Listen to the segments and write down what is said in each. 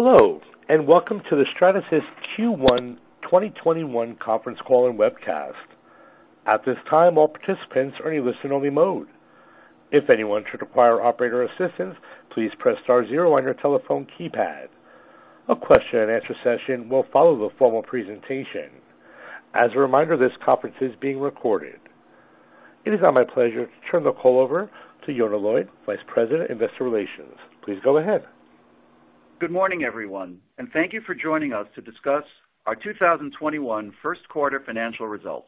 Hello, and welcome to the Stratasys Q1 2021 conference call and webcast. At this time, all participants are in only listen only mode. If anyone should require operator assistance, please press star zero on your telephone keypad. A question and answer session will follow the formal presentation. As a reminder this conference is being recorded. It is now my pleasure to turn the call over to Yonah Lloyd, Vice President, Investor Relations. Please go ahead. Good morning, everyone. Thank you for joining us to discuss our 2021 first quarter financial results.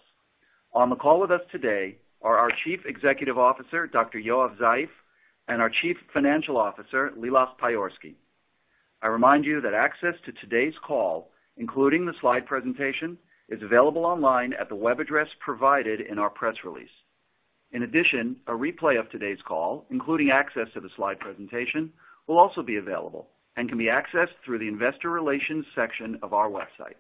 On the call with us today are our Chief Executive Officer, Dr. Yoav Zeif, and our Chief Financial Officer, Lilach Payorski. I remind you that access to today's call, including the slide presentation, is available online at the web address provided in our press release. A replay of today's call, including access to the slide presentation, will also be available and can be accessed through the investor relations section of our website.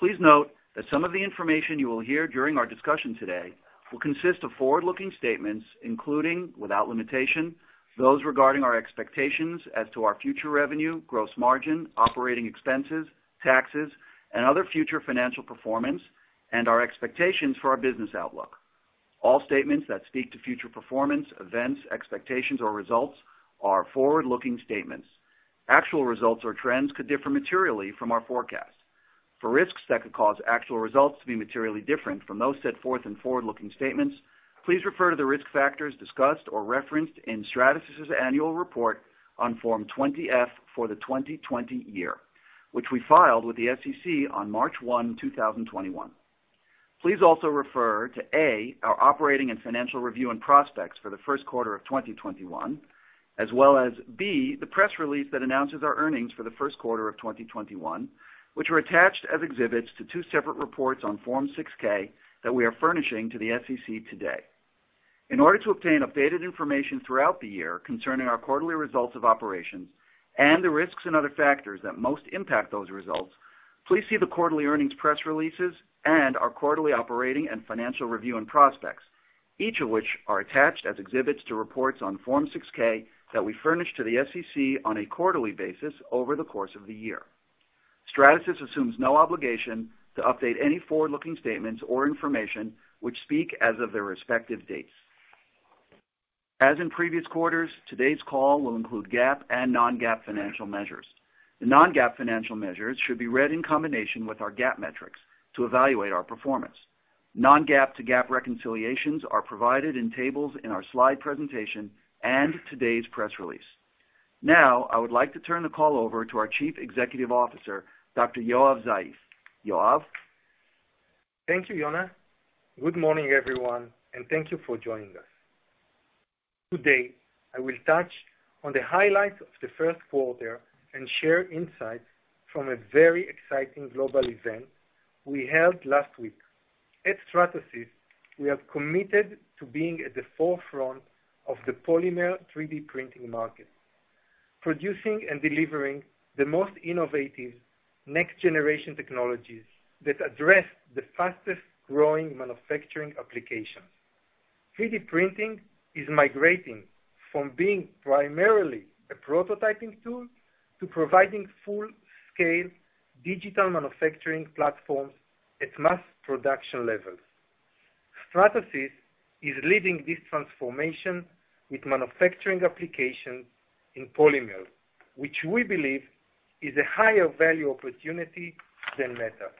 Please note that some of the information you will hear during our discussion today will consist of forward-looking statements, including, without limitation, those regarding our expectations as to our future revenue, gross margin, operating expenses, taxes and other future financial performance and our expectations for our business outlook. All statements that speak to future performance, events, expectations or results are forward-looking statements. Actual results or trends could differ materially from our forecasts. For risks that could cause actual results to be materially different from those set forth in forward-looking statements, please refer to the risk factors discussed or referenced in Stratasys' Annual Report on Form 20-F for the 2020 year, which we filed with the SEC on March 1, 2021. Please also refer to, A, our operating and financial review and prospects for the first quarter of 2021, as well as, B, the press release that announces our earnings for the first quarter of 2021, which were attached as exhibits to two separate reports on Form 6-K that we are furnishing to the SEC today. In order to obtain updated information throughout the year concerning our quarterly results of operations and the risks and other factors that most impact those results, please see the quarterly earnings press releases and our quarterly operating and financial review and prospects, each of which are attached as exhibits to reports on Form 6-K that we furnish to the SEC on a quarterly basis over the course of the year. Stratasys assumes no obligation to update any forward-looking statements or information which speak as of their respective dates. As in previous quarters, today's call will include GAAP and non-GAAP financial measures. The non-GAAP financial measures should be read in combination with our GAAP metrics to evaluate our performance. Non-GAAP to GAAP reconciliations are provided in tables in our slide presentation and today's press release. I would like to turn the call over to our Chief Executive Officer, Dr. Yoav Zeif. Yoav? Thank you, Yonah. Good morning, everyone, and thank you for joining us. Today, I will touch on the highlights of the first quarter and share insights from a very exciting global event we held last week. At Stratasys, we have committed to being at the forefront of the polymer 3D printing market, producing and delivering the most innovative next generation technologies that address the fastest growing manufacturing applications. 3D printing is migrating from being primarily a prototyping tool to providing full-scale digital manufacturing platforms at mass production levels. Stratasys is leading this transformation with manufacturing applications in polymer, which we believe is a higher value opportunity than metal.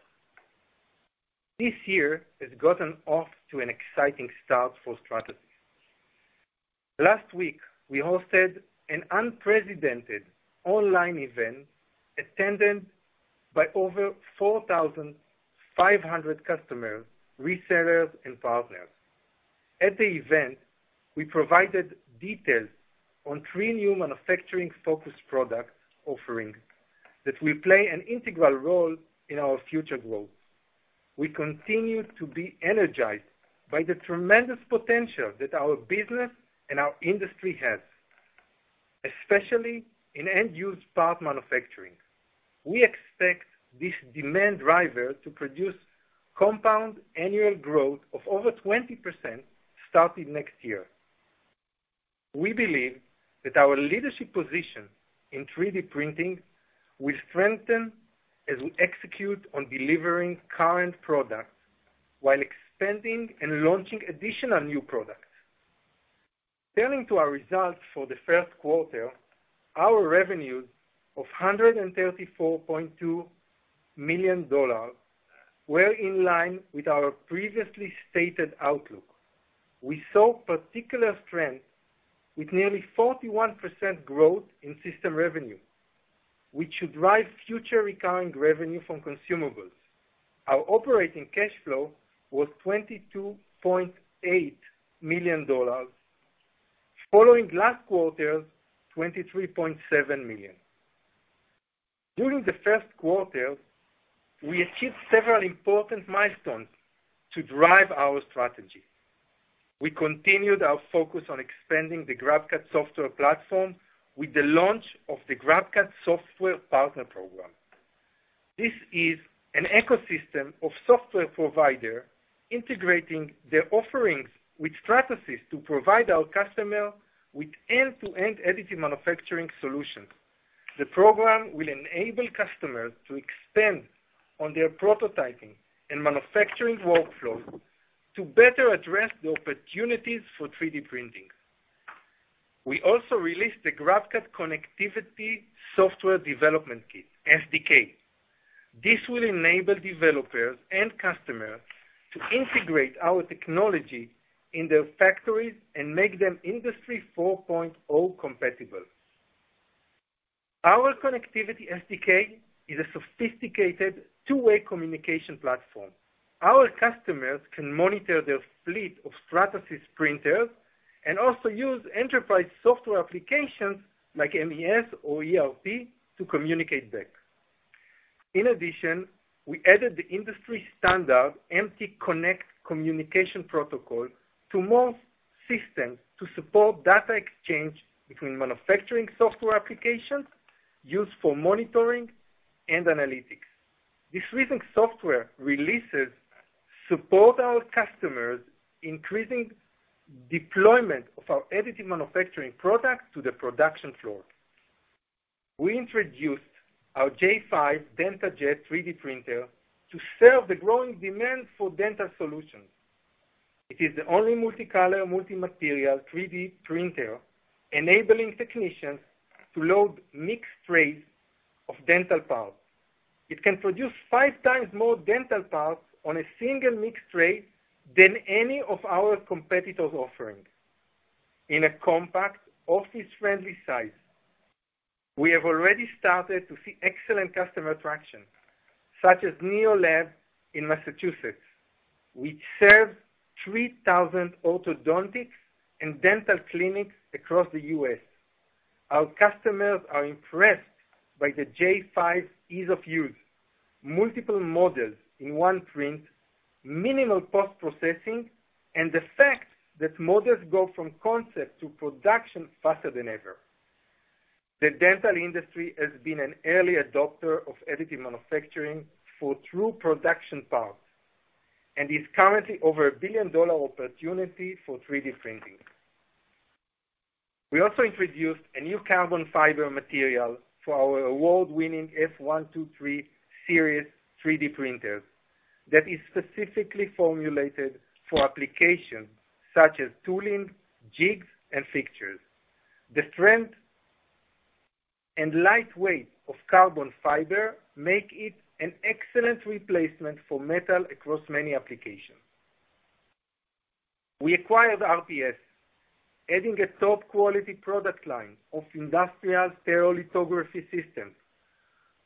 This year has gotten off to an exciting start for Stratasys. Last week, we hosted an unprecedented online event attended by over 4,500 customers, resellers, and partners. At the event, we provided details on three new manufacturing-focused product offerings that will play an integral role in our future growth. We continue to be energized by the tremendous potential that our business and our industry has, especially in end-use part manufacturing. We expect this demand driver to produce compound annual growth of over 20% starting next year. We believe that our leadership position in 3D printing will strengthen as we execute on delivering current products while expanding and launching additional new products. Turning to our results for the first quarter, our revenues of $134.2 million were in line with our previously stated outlook. We saw particular strength with nearly 41% growth in system revenue, which should drive future recurring revenue from consumables. Our operating cash flow was $22.8 million, following last quarter's $23.7 million. During the first quarter, we achieved several important milestones to drive our strategy. We continued our focus on expanding the GrabCAD software platform with the launch of the GrabCAD Software Partner Program. This is an ecosystem of software provider integrating their offerings with Stratasys to provide our customer with end-to-end additive manufacturing solutions. The program will enable customers to expand on their prototyping and manufacturing workflow to better address the opportunities for 3D printing. We also released the GrabCAD Connectivity Software Development Kit, SDK. This will enable developers and customers to integrate our technology in their factories and make them Industry 4.0 compatible. Our Connectivity SDK is a sophisticated two-way communication platform. Our customers can monitor their fleet of Stratasys printers and also use enterprise software applications like MES or ERP to communicate back. In addition, we added the industry standard MTConnect communication protocol to most systems to support data exchange between manufacturing software applications used for monitoring and analytics. This recent software releases support our customers, increasing deployment of our additive manufacturing products to the production floor. We introduced our J5 DentaJet 3D printer to serve the growing demand for dental solutions. It is the only multicolor, multi-material 3D printer, enabling technicians to load mixed trays of dental parts. It can produce five times more dental parts on a single mixed tray than any of our competitors offering, in a compact, office-friendly size. We have already started to see excellent customer traction, such as NEOLab in Massachusetts, which serves 3,000 orthodontics and dental clinics across the U.S. Our customers are impressed by the J5 DentaJet 3D printer ease of use, multiple models in one print, minimal post-processing, and the fact that models go from concept to production faster than ever. The dental industry has been an early adopter of additive manufacturing for true production parts and is currently over a billion-dollar opportunity for 3D printing. We also introduced a new carbon fiber material for our award-winning F123 series 3D printers that is specifically formulated for applications such as tooling, jigs, and fixtures. The strength and light weight of carbon fiber make it an excellent replacement for metal across many applications. We acquired RPS, adding a top-quality product line of industrial stereolithography systems,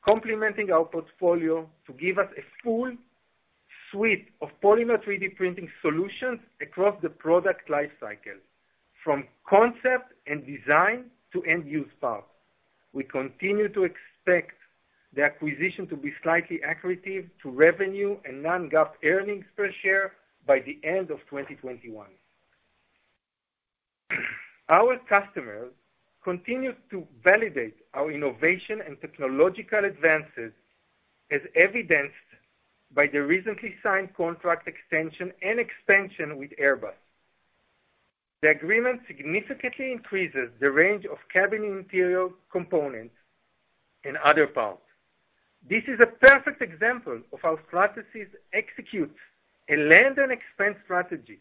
complementing our portfolio to give us a full suite of polymer 3D printing solutions across the product life cycle, from concept and design to end-use parts. We continue to expect the acquisition to be slightly accretive to revenue and non-GAAP earnings per share by the end of 2021. Our customers continue to validate our innovation and technological advances as evidenced by the recently signed contract extension and expansion with Airbus. The agreement significantly increases the range of cabin interior components and other parts. This is a perfect example of how Stratasys executes a land and expand strategy.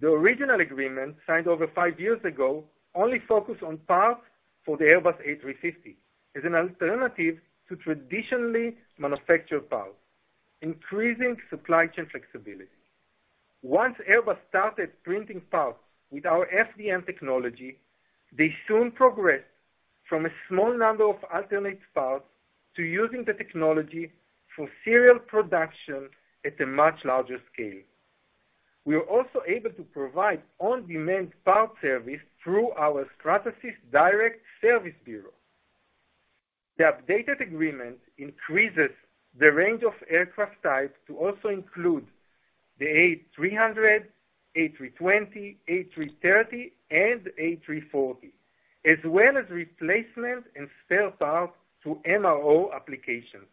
The original agreement, signed over five years ago, only focused on parts for the Airbus A350 as an alternative to traditionally manufactured parts, increasing supply chain flexibility. Once Airbus started printing parts with our FDM technology, they soon progressed from a small number of alternate parts to using the technology for serial production at a much larger scale. We were also able to provide on-demand parts service through our Stratasys Direct Service Bureau. The updated agreement increases the range of aircraft types to also include the Airbus A300, A320, A330, and A340, as well as replacement and spare parts to MRO applications.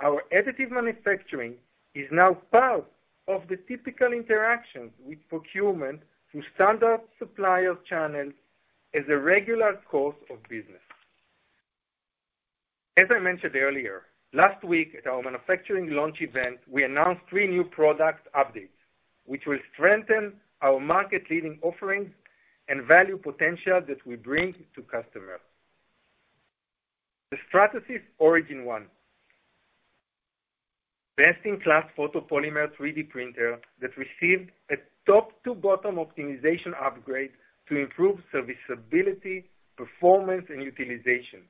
Our additive manufacturing is now part of the typical interactions with procurement through standard supplier channels as a regular course of business. As I mentioned earlier, last week at our manufacturing launch event, we announced three new product updates, which will strengthen our market leading offerings and value potential that we bring to customers. The Stratasys Origin One, best-in-class photopolymer 3D printer that received a top-to-bottom optimization upgrade to improve serviceability, performance, and utilization.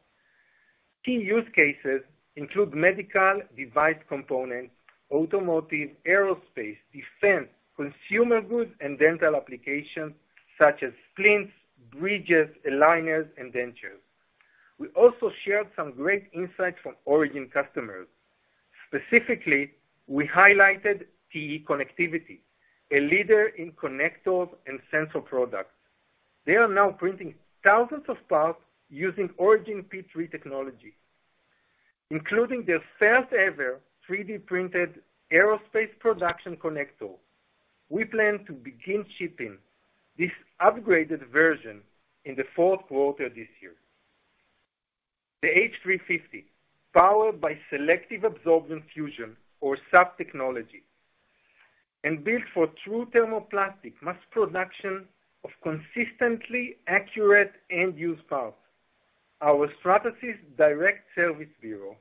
Key use cases include medical device components, automotive, aerospace, defense, consumer goods, and dental applications such as splints, bridges, aligners, and dentures. We also shared some great insights from Stratasys Origin One customers. Specifically, we highlighted TE Connectivity, a leader in connectors and sensor products. They are now printing thousands of parts using Origin P3 technology, including their first ever 3D-printed aerospace production connector. We plan to begin shipping this upgraded version in the fourth quarter of this year. The H350, powered by Selective Absorption Fusion, or SAF technology, and built for true thermoplastic mass production of consistently accurate end-use parts. Our Stratasys Direct Service Bureau,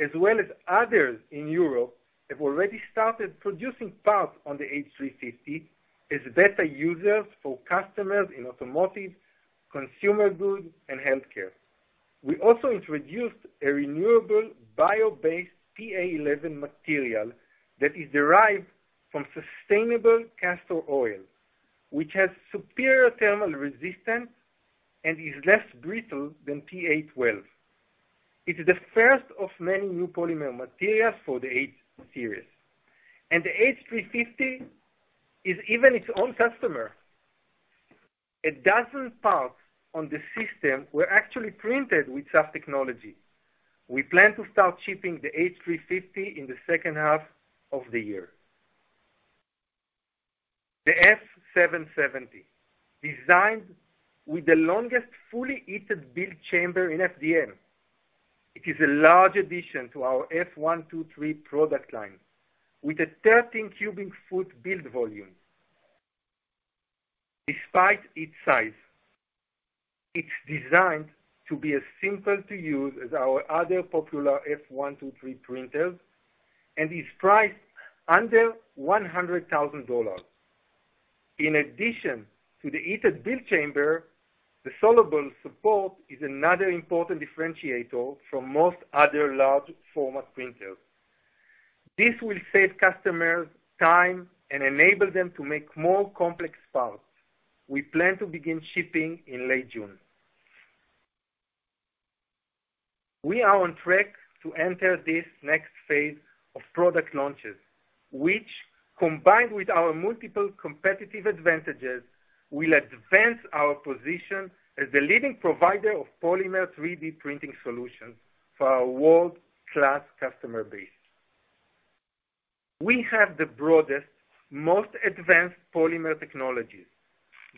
as well as others in Europe, have already started producing parts on the H350 as beta users for customers in automotive, consumer goods, and healthcare. We also introduced a renewable bio-based PA11 material that is derived from sustainable castor oil, which has superior thermal resistance and is less brittle than PA12. It's the first of many new polymer materials for the H series. The H350 is even its own customer. 12 parts on the system were actually printed with SAF technology. We plan to start shipping the H350 in the second half of the year. The F770, designed with the longest fully heated build chamber in FDM. It is a large addition to our F123 product line with a 13 cubic foot build volume. Despite its size, it's designed to be as simple to use as our other popular F123 printers and is priced under $100,000. In addition to the heated build chamber, the soluble support is another important differentiator from most other large format printers. This will save customers time and enable them to make more complex parts. We plan to begin shipping in late June. We are on track to enter this next phase of product launches, which, combined with our multiple competitive advantages, will advance our position as the leading provider of polymer 3D printing solutions for our world-class customer base. We have the broadest, most advanced polymer technologies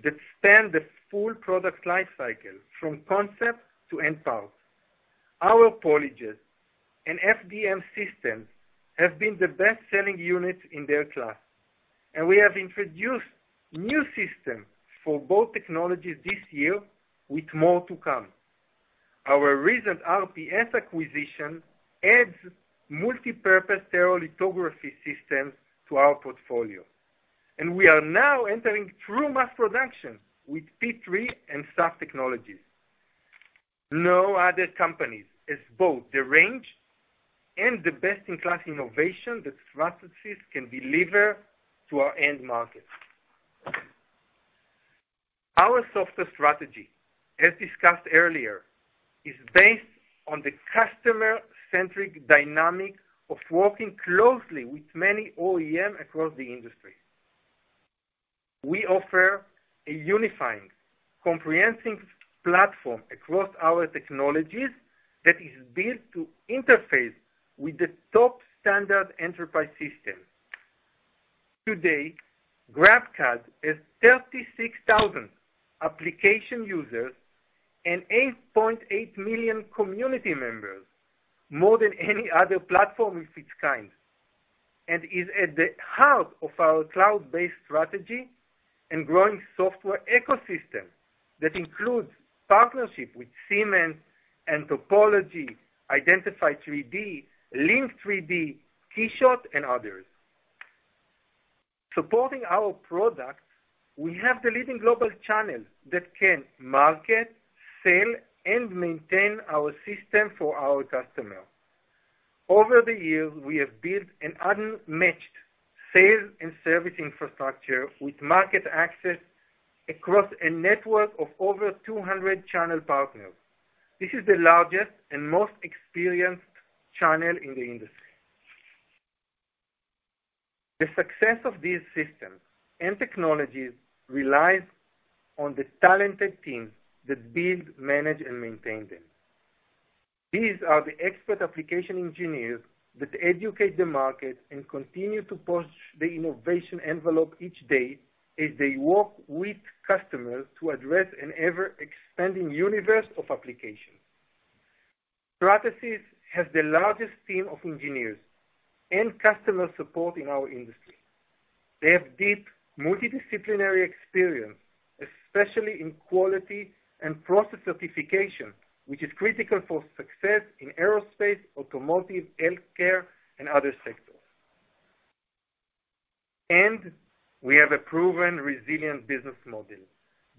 that span the full product life cycle from concept to end part. Our PolyJet and FDM systems have been the best-selling units in their class, and we have introduced new systems for both technologies this year with more to come. Our recent RPS acquisition adds multipurpose stereolithography systems to our portfolio, and we are now entering true mass production with P3 and SAF technologies. No other company has both the range and the best-in-class innovation that Stratasys can deliver to our end markets. Our software strategy, as discussed earlier, is based on the customer-centric dynamic of working closely with many OEM across the industry. We offer a unifying, comprehensive platform across our technologies that is built to interface with the top standard enterprise systems. Today, GrabCAD has 36,000 application users and 8.8 million community members, more than any other platform of its kind, and is at the heart of our cloud-based strategy and growing software ecosystem that includes partnerships with Siemens, nTopology, Identify3D, Link3D, KeyShot, and others. Supporting our products, we have the leading global channels that can market, sell, and maintain our system for our customers. Over the years, we have built an unmatched sales and service infrastructure with market access across a network of over 200 channel partners. This is the largest and most experienced channel in the industry. The success of these systems and technologies relies on the talented teams that build, manage, and maintain them. These are the expert application engineers that educate the market and continue to push the innovation envelope each day as they work with customers to address an ever-expanding universe of applications. Stratasys has the largest team of engineers and customer support in our industry. They have deep multidisciplinary experience, especially in quality and process certification, which is critical for success in aerospace, automotive, healthcare, and other sectors. We have a proven, resilient business model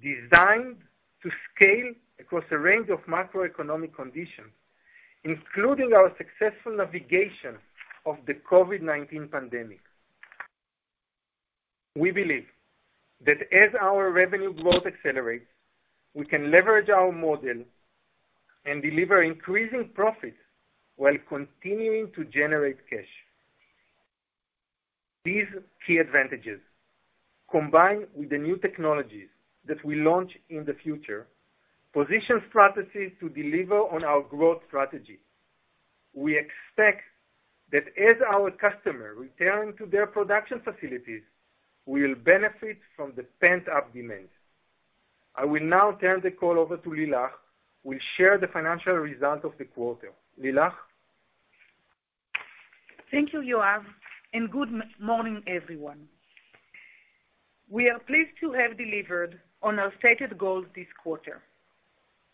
designed to scale across a range of macroeconomic conditions, including our successful navigation of the COVID-19 pandemic. We believe that as our revenue growth accelerates, we can leverage our model and deliver increasing profits while continuing to generate cash. These key advantages, combined with the new technologies that we launch in the future, position Stratasys to deliver on our growth strategy. We expect that as our customers return to their production facilities, we will benefit from the pent-up demand. I will now turn the call over to Lilach, who will share the financial results of the quarter. Lilach? Thank you, Yoav, and good morning, everyone. We are pleased to have delivered on our stated goals this quarter.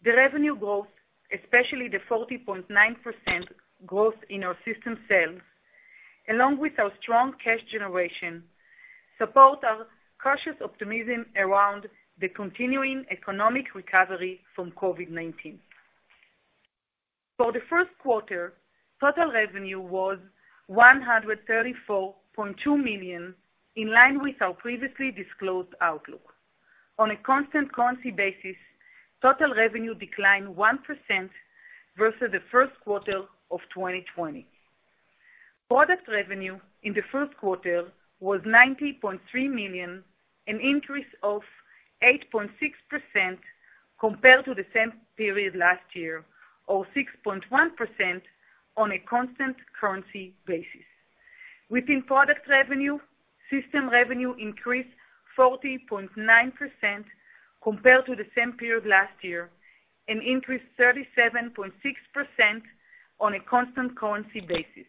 The revenue growth, especially the 40.9% growth in our system sales, along with our strong cash generation, support our cautious optimism around the continuing economic recovery from COVID-19. For the first quarter, total revenue was $134.2 million, in line with our previously disclosed outlook. On a constant currency basis, total revenue declined 1% versus the first quarter of 2020. Product revenue in the first quarter was $90.3 million, an increase of 8.6% compared to the same period last year, or 6.1% on a constant currency basis. Within product revenue, system revenue increased 40.9% compared to the same period last year, an increase 37.6% on a constant currency basis.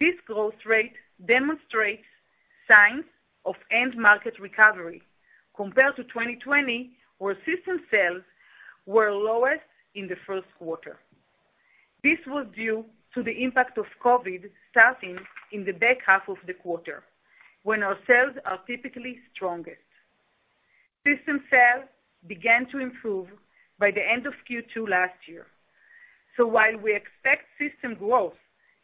This growth rate demonstrates signs of end market recovery compared to 2020, where system sales were lowest in the first quarter. This was due to the impact of COVID starting in the back half of the quarter, when our sales are typically strongest. System sales began to improve by the end of Q2 last year. While we expect system growth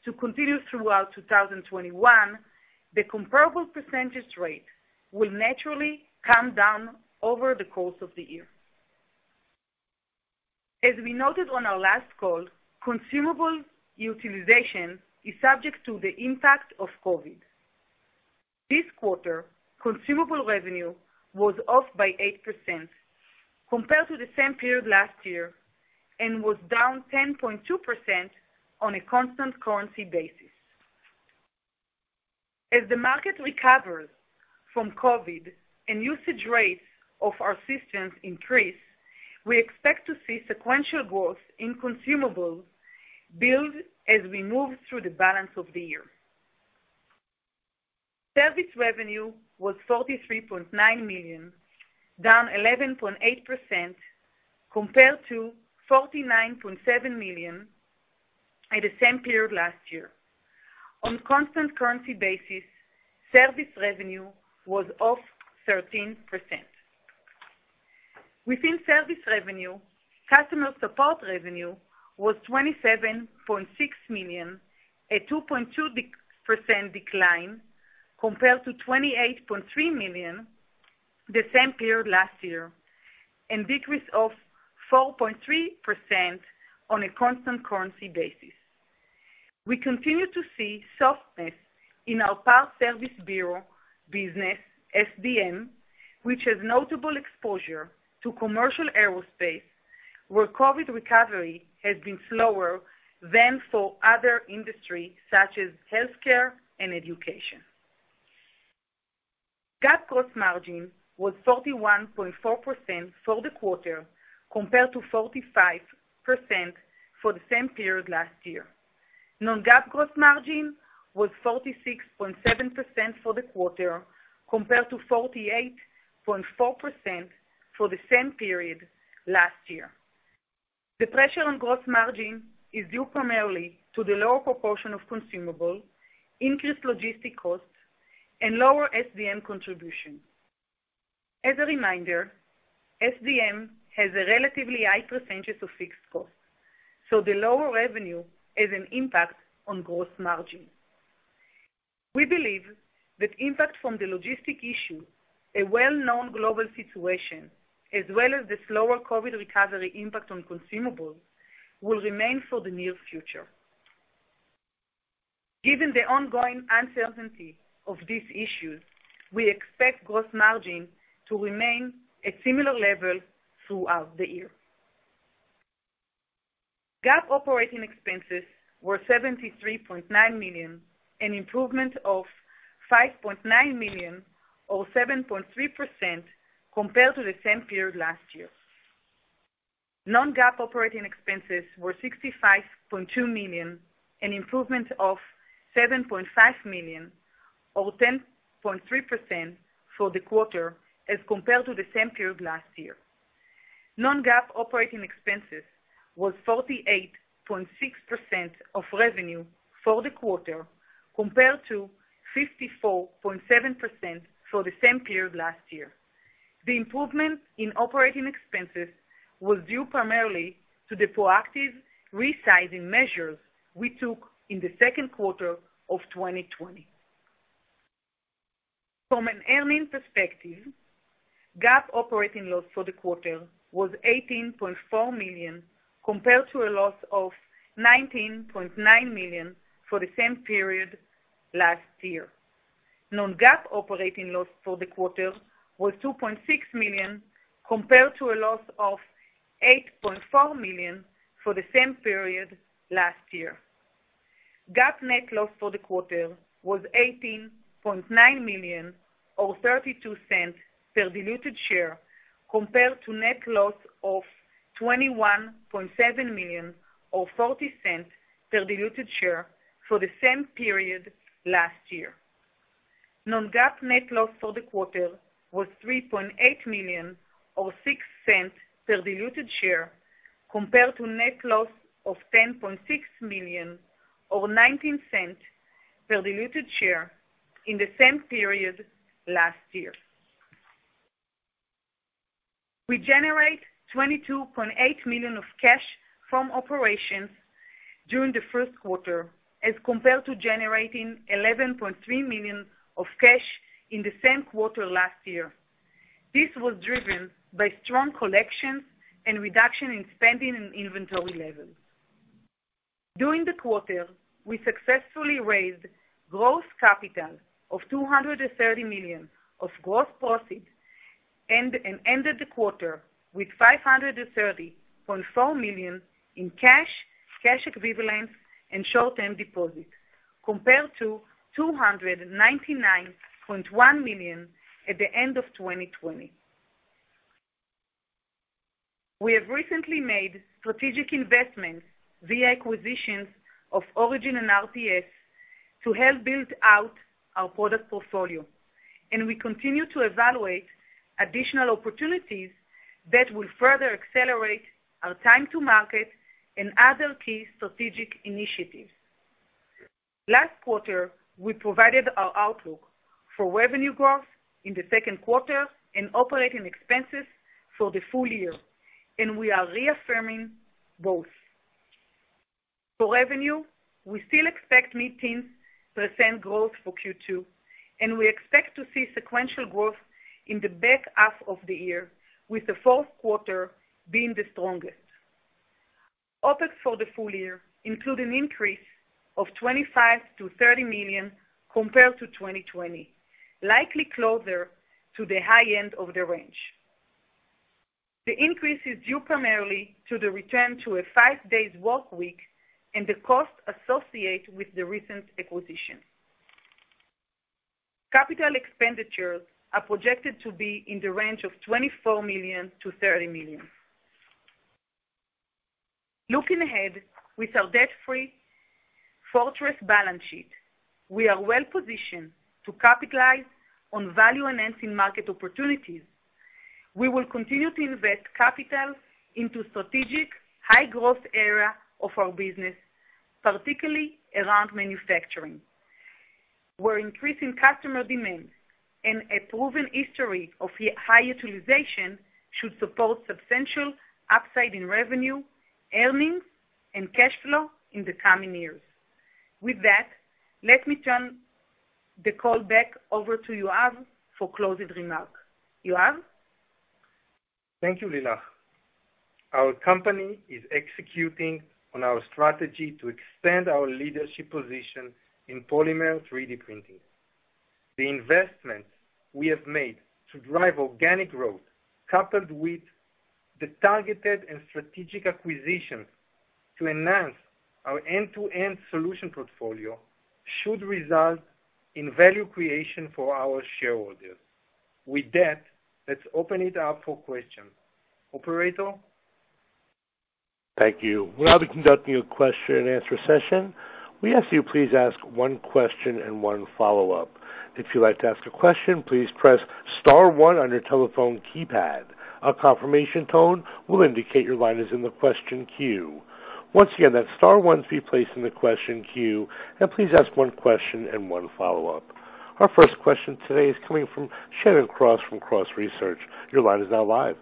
to continue throughout 2021, the comparable percentage rate will naturally come down over the course of the year. As we noted on our last call, consumable utilization is subject to the impact of COVID. This quarter, consumable revenue was off by 8% compared to the same period last year and was down 10.2% on a constant currency basis. As the market recovers from COVID and usage rates of our systems increase, we expect to see sequential growth in consumables build as we move through the balance of the year. Service revenue was $43.9 million, down 11.8% compared to $49.7 million at the same period last year. On constant currency basis, service revenue was off 13%. Within service revenue, customer support revenue was $27.6 million, a 2.2% decline compared to $28.3 million the same period last year, and decrease of 4.3% on a constant currency basis. We continue to see softness in our parts service bureau business, SDM, which has notable exposure to commercial aerospace, where COVID-19 recovery has been slower than for other industries such as healthcare and education. GAAP gross margin was 31.4% for the quarter, compared to 45% for the same period last year. Non-GAAP gross margin was 36.7% for the quarter, compared to 48.4% for the same period last year. The pressure on gross margin is due primarily to the lower proportion of consumables, increased logistic costs, and lower SDM contribution. As a reminder, SDM has a relatively high percentage of fixed costs, so the lower revenue has an impact on gross margin. We believe that impact from the logistic issue, a well-known global situation, as well as the slower COVID recovery impact on consumables, will remain for the near future. Given the ongoing uncertainty of these issues, we expect gross margin to remain at similar levels throughout the year. GAAP operating expenses were $73.9 million, an improvement of $5.9 million, or 7.3%, compared to the same period last year. Non-GAAP operating expenses were $65.2 million, an improvement of $7.5 million, or 10.3%, for the quarter as compared to the same period last year. Non-GAAP operating expenses was 48.6% of revenue for the quarter, compared to 54.7% for the same period last year. The improvement in operating expenses was due primarily to the proactive resizing measures we took in the second quarter of 2020. From an earnings perspective, GAAP operating loss for the quarter was $18.4 million, compared to a loss of $19.9 million for the same period last year. Non-GAAP operating loss for the quarter was $2.6 million, compared to a loss of $8.4 million for the same period last year. GAAP net loss for the quarter was $18.9 million, or $0.32 per diluted share, compared to net loss of $21.7 million or $0.40 per diluted share for the same period last year. Non-GAAP net loss for the quarter was $3.8 million or $0.06 per diluted share, compared to net loss of $10.6 million or $0.19 per diluted share in the same period last year. We generate $22.8 million of cash from operations during the first quarter as compared to generating $11.3 million of cash in the same quarter last year. This was driven by strong collections and reduction in spending and inventory levels. During the quarter, we successfully raised gross capital of $230 million of gross proceeds and ended the quarter with $530.4 million in cash equivalents, and short-term deposits, compared to $299.1 million at the end of 2020. We have recently made strategic investments via acquisitions of Origin and RPS to help build out our product portfolio. We continue to evaluate additional opportunities that will further accelerate our time to market and other key strategic initiatives. Last quarter, we provided our outlook for revenue growth in the second quarter and operating expenses for the full year. We are reaffirming both. For revenue, we still expect mid-teens% growth for Q2. We expect to see sequential growth in the back half of the year, with the fourth quarter being the strongest. OpEx for the full year include an increase of $25 million-$30 million compared to 2020, likely closer to the high end of the range. The increase is due primarily to the return to a five-day workweek and the cost associated with the recent acquisition. CapEx are projected to be in the range of $24 million-$30 million. Looking ahead with our debt-free fortress balance sheet, we are well-positioned to capitalize on value-enhancing market opportunities. We will continue to invest capital into strategic high-growth areas of our business, particularly around manufacturing, where increasing customer demand and a proven history of high utilization should support substantial upside in revenue, earnings, and cash flow in the coming years. With that, let me turn the call back over to Yoav for closing remarks. Yoav? Thank you, Lilach. Our company is executing on our strategy to expand our leadership position in polymer 3D printing. The investments we have made to drive organic growth, coupled with the targeted and strategic acquisitions to enhance our end-to-end solution portfolio, should result in value creation for our shareholders. With that, let's open it up for questions. Operator? Thank you. We'll now be conducting a question and answer session. We ask you please ask one question and one follow-up. If you'd like to ask a question, please press star one on your telephone keypad. A confirmation tone will indicate your line is in the question queue. Once again, that's star one to be placed in the question queue, and please ask one question and one follow-up. Our first question today is coming from Shannon Cross from Cross Research. Your line is now live.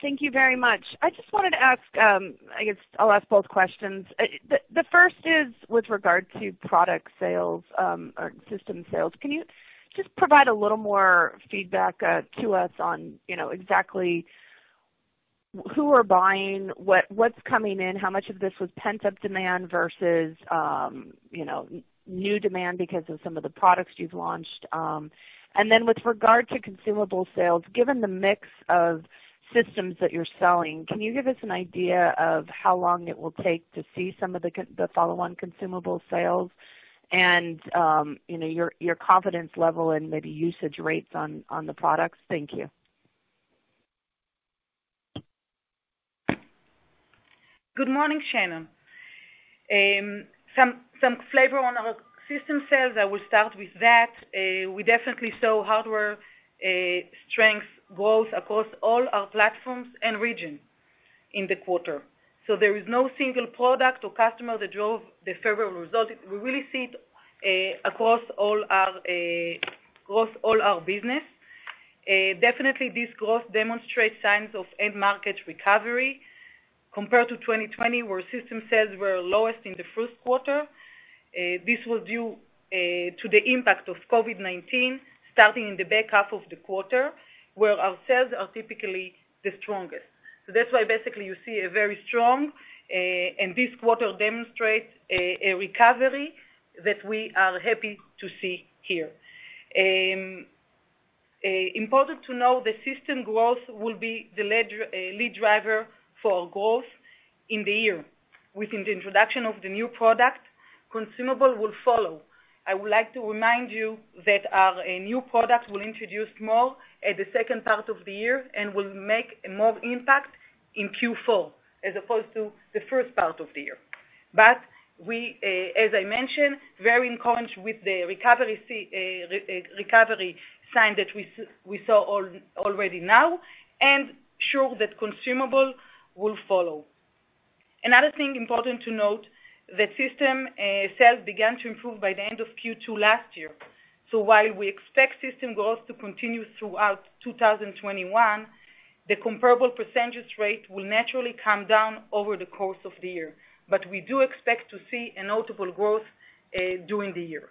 Thank you very much. I just wanted to ask, I guess I'll ask both questions. The first is with regard to product sales, or system sales. Can you just provide a little more feedback to us on exactly who are buying, what's coming in, how much of this was pent-up demand versus new demand because of some of the products you've launched? With regard to consumable sales, given the mix of systems that you're selling, can you give us an idea of how long it will take to see some of the follow-on consumable sales and your confidence level and maybe usage rates on the products? Thank you. Good morning, Shannon. Some flavor on our system sales, I will start with that. We definitely saw hardware strength growth across all our platforms and regions in the quarter. There is no single product or customer that drove the favorable result. We really see it across all our business. Definitely this growth demonstrates signs of end market recovery compared to 2020, where system sales were lowest in the first quarter. This was due to the impact of COVID-19 starting in the back half of the quarter, where our sales are typically the strongest. That's why you see a very strong, and this quarter demonstrates a recovery that we are happy to see here. Important to know the system growth will be the lead driver for our growth in the year. With the introduction of the new product, consumable will follow. I would like to remind you that our new product will introduce more at the second part of the year, and will make more impact in Q4, as opposed to the first part of the year. We, as I mentioned, very encouraged with the recovery sign that we saw already now, and sure that consumable will follow. Another thing important to note, the system sales began to improve by the end of Q2 last year. While we expect system growth to continue throughout 2021, the comparable percentage rate will naturally come down over the course of the year. We do expect to see a notable growth during the year.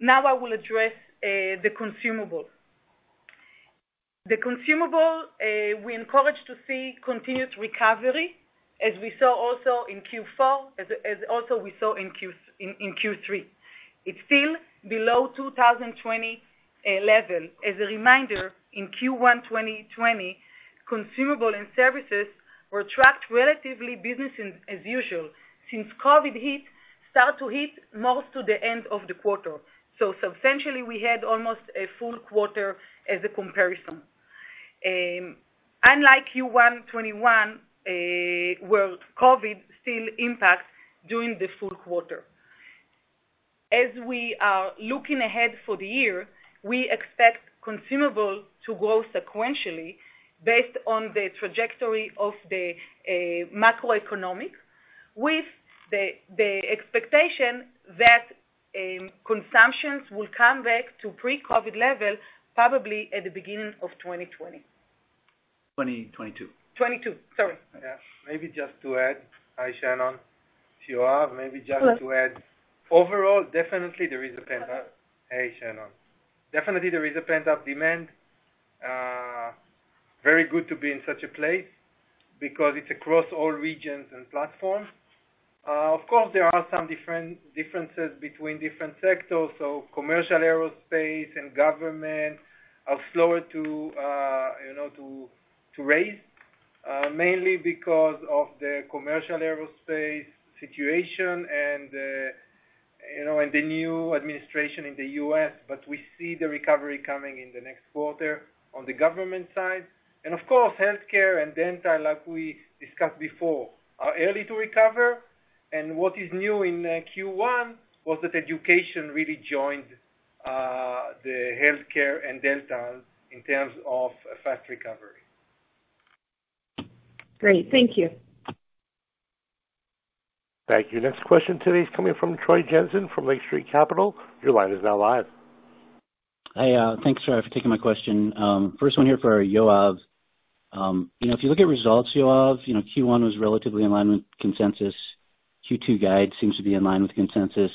Now I will address the consumable. The consumable, we're encouraged to see continued recovery, as we saw also in Q4, as also we saw in Q3. It's still below 2020 level. As a reminder, in Q1 2020, consumable and services were tracked relatively business as usual, since COVID start to hit most to the end of the quarter. Substantially we had almost a full quarter as a comparison. Unlike Q1 2021, where COVID still impacts during the full quarter. As we are looking ahead for the year, we expect consumable to grow sequentially based on the trajectory of the macroeconomic, with the expectation that consumptions will come back to pre-COVID level, probably at the beginning of 2020. 2022. 2022. Sorry. Yeah. Maybe just to add. Hi, Shannon. Yoav, maybe just to add in overall. Hey, Shannon. Definitely there is a pent-up demand. Very good to be in such a place, because it's across all regions and platforms. Of course, there are some differences between different sectors. Commercial aerospace and government are slower to raise, mainly because of the commercial aerospace situation and the new administration in the U.S., but we see the recovery coming in the next quarter on the government side. Of course, healthcare and dental, like we discussed before, are early to recover. What is new in Q1 was that education really joined the healthcare and dental in terms of a fast recovery. Great. Thank you. Thank you. Next question today is coming from Troy Jensen from Lake Street Capital Markets. Your line is now live. Hi. Thanks for taking my question. First one here for Yoav. If you look at results, Yoav, Q1 was relatively in line with consensus. Q2 guide seems to be in line with consensus.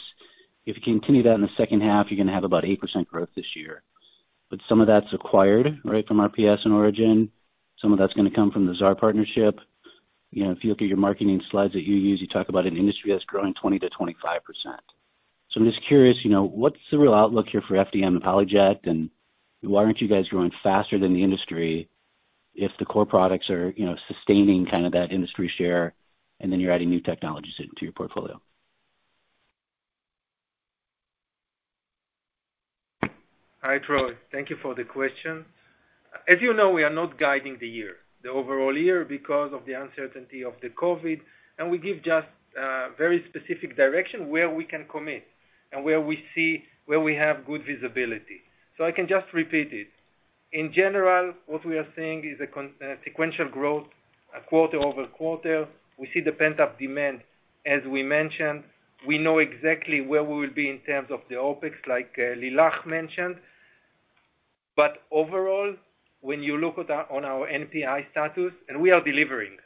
If you continue that in the second half, you're going to have about 8% growth this year. Some of that's acquired from RPS and Origin. Some of that's going to come from the Xaar 3D Ltd partnership. If you look at your marketing slides that you use, you talk about an industry that's growing 20%-25%. I'm just curious, what's the real outlook here for FDM and PolyJet, and why aren't you guys growing faster than the industry if the core products are sustaining that industry share, and then you're adding new technologies into your portfolio? Hi, Troy Jensen. Thank you for the question. As you know, we are not guiding the year, the overall year, because of the uncertainty of the COVID-19. We give just very specific direction where we can commit and where we have good visibility. I can just repeat it. In general, what we are seeing is a sequential growth, a quarter-over-quarter. We see the pent-up demand, as we mentioned. We know exactly where we will be in terms of the OpEx like Lilach Payorski mentioned. Overall, when you look on our NPI status, we are delivering.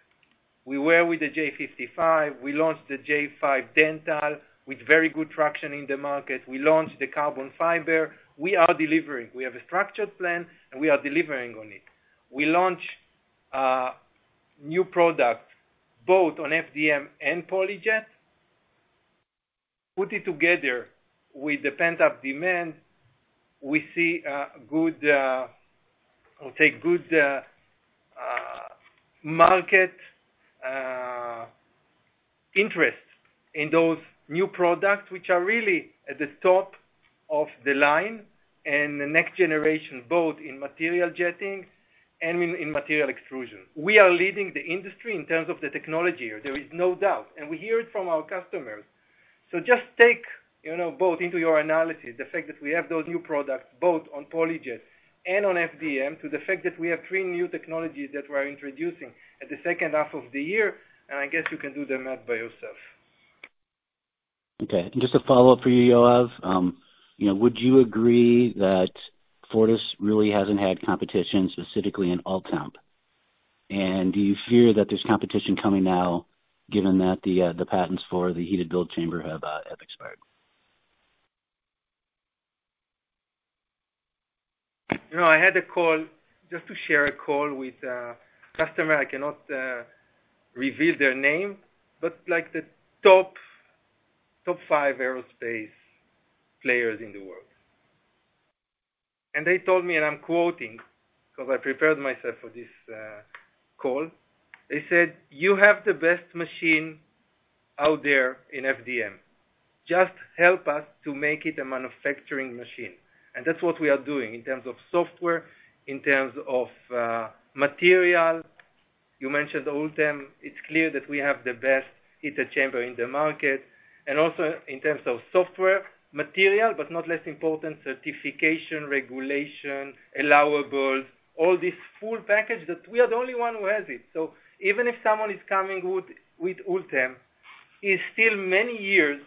We were with the J55 Prime printer. We launched the J5 DentaJet 3D printer with very good traction in the market. We launched the carbon fiber. We are delivering. We have a structured plan, and we are delivering on it. We launch new product both on FDM and PolyJet. Put it together with the pent-up demand, we see good market interest in those new products, which are really at the top of the line and the next generation, both in material jetting and in material extrusion. We are leading the industry in terms of the technology. There is no doubt, we hear it from our customers. Just take both into your analysis, the fact that we have those new products both on PolyJet and on FDM, to the fact that we have three new technologies that we're introducing at the second half of the year, I guess you can do the math by yourself. Okay. Just a follow-up for you, Yoav. Would you agree that Fortus really hasn't had competition, specifically in ULTEM? Do you fear that there's competition coming now, given that the patents for the heated build chamber have expired? I had a call, just to share, a call with a customer, I cannot reveal their name, but like the top five aerospace players in the world. They told me, and I'm quoting, because I prepared myself for this call. They said, "You have the best machine out there in FDM. Just help us to make it a manufacturing machine." That's what we are doing in terms of software, in terms of material. You mentioned ULTEM. It's clear that we have the best heater chamber in the market, and also in terms of software, material, but not less important, certification, regulation, allowables, all this full package that we are the only one who has it. Even if someone is coming with ULTEM, is still many years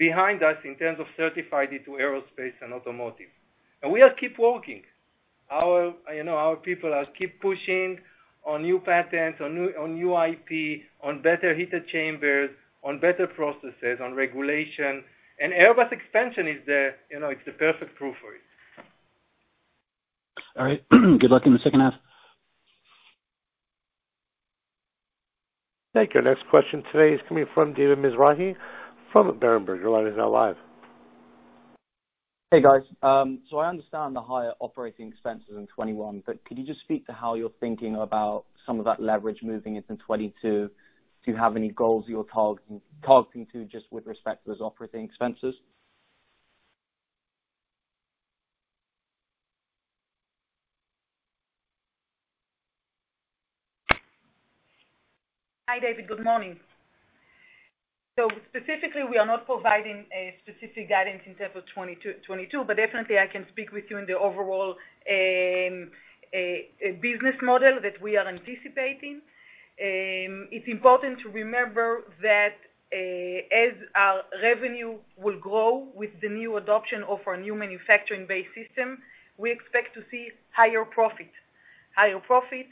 behind us in terms of certified into aerospace and automotive. We are keep working. Our people are keep pushing on new patents, on new IP, on better heater chambers, on better processes, on regulation. Airbus expansion is the perfect proof of it. All right. Good luck in the second half. Thank you. Our next question today is coming from David Mizrahi from Berenberg. Your line is now live. Hey, guys. I understand the higher operating expenses in 2021, could you just speak to how you're thinking about some of that leverage moving into 2022? Do you have any goals you're targeting to just with respect to those operating expenses? Hi, David. Good morning. Specifically, we are not providing a specific guidance in terms of 2022, but definitely I can speak with you in the overall business model that we are anticipating. It's important to remember that as our revenue will grow with the new adoption of our new manufacturing-based system, we expect to see higher profit. Higher profit,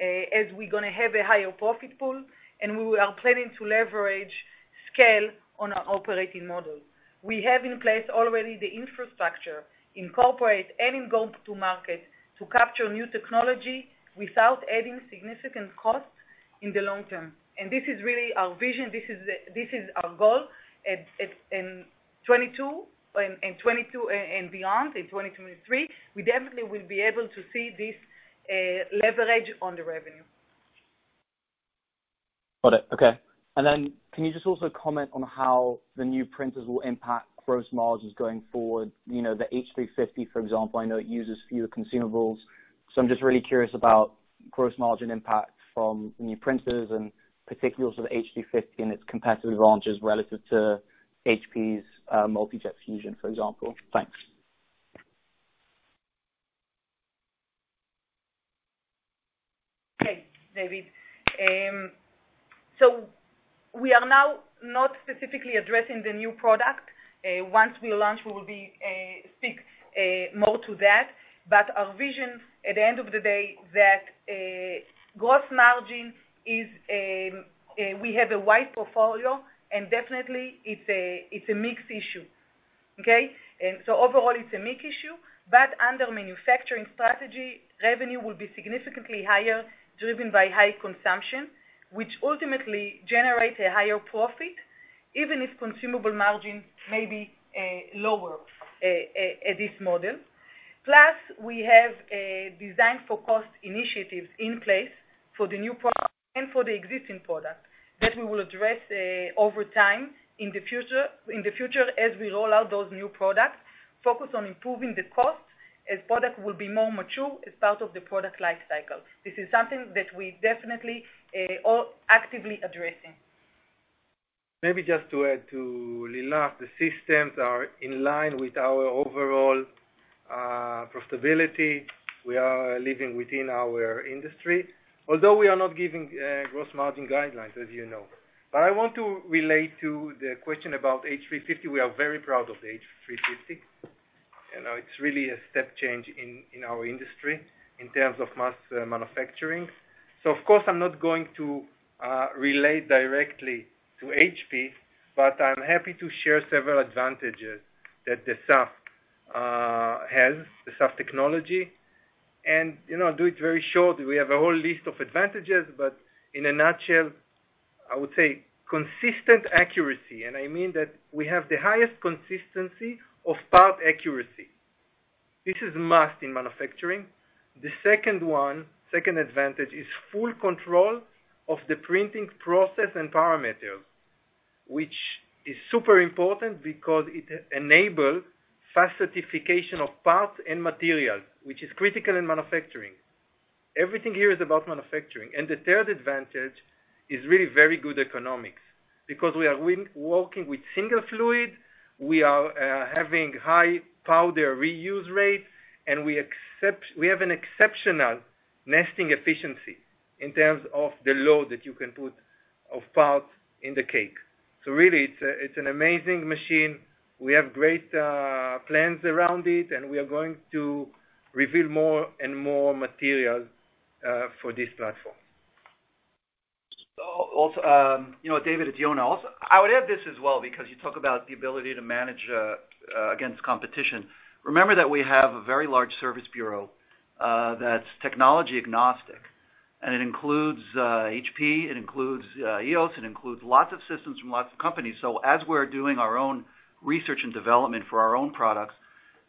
as we're going to have a higher profit pool, and we are planning to leverage scale on our operating model. We have in place already the infrastructure, incorporate any go-to-market to capture new technology without adding significant cost in the long term. This is really our vision. This is our goal. In 2022 and beyond, in 2023, we definitely will be able to see this leverage on the revenue. Got it. Okay. Can you just also comment on how the new printers will impact gross margins going forward? The H350, for example, I know it uses fewer consumables. I'm just really curious about gross margin impact from new printers and particulars of the H350 and its competitive launches relative to HP's Multi Jet Fusion, for example. Thanks. Okay. David. We are now not specifically addressing the new product. Once we launch, we will speak more to that. Our vision, at the end of the day, that gross margin is, we have a wide portfolio, and definitely it's a mixed issue. Okay. Overall, it's a mixed issue, but under manufacturing strategy, revenue will be significantly higher, driven by high consumption, which ultimately generates a higher profit, even if consumable margin may be lower at this model. We have a design for cost initiatives in place for the new product and for the existing product that we will address over time in the future as we roll out those new products, focus on improving the cost as product will be more mature as part of the product life cycle. This is something that we definitely are actively addressing. Maybe just to add to Lilach, the systems are in line with our overall profitability. We are living within our industry. Although we are not giving gross margin guidelines, as you know. I want to relate to the question about H350. We are very proud of the H350. It's really a step change in our industry in terms of mass manufacturing. Of course, I'm not going to relate directly to HP, but I'm happy to share several advantages that the SAF has, the SAF technology, and do it very short. We have a whole list of advantages, in a nutshell, I would say consistent accuracy, and I mean that we have the highest consistency of part accuracy. This is must in manufacturing. The second advantage is full control of the printing process and parameters, which is super important because it enables fast certification of parts and materials, which is critical in manufacturing. Everything here is about manufacturing. The third advantage is really very good economics, because we are working with single fluid, we are having high powder reuse rates, and we have an exceptional nesting efficiency in terms of the load that you can put of parts in the cake. Really, it's an amazing machine. We have great plans around it, and we are going to reveal more and more materials for this platform. David, it's Yonah. I would add this as well, because you talk about the ability to manage against competition. Remember that we have a very large service bureau that's technology-agnostic, and it includes HP, it includes EOS, it includes lots of systems from lots of companies. As we're doing our own research and development for our own products,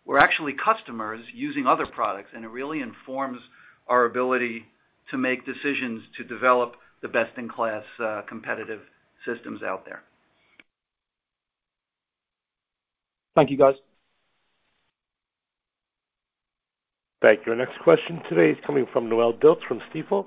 we're actually customers using other products, and it really informs our ability to make decisions to develop the best-in-class competitive systems out there. Thank you, guys. Thank you. Our next question today is coming from Noelle Dilts from Stifel.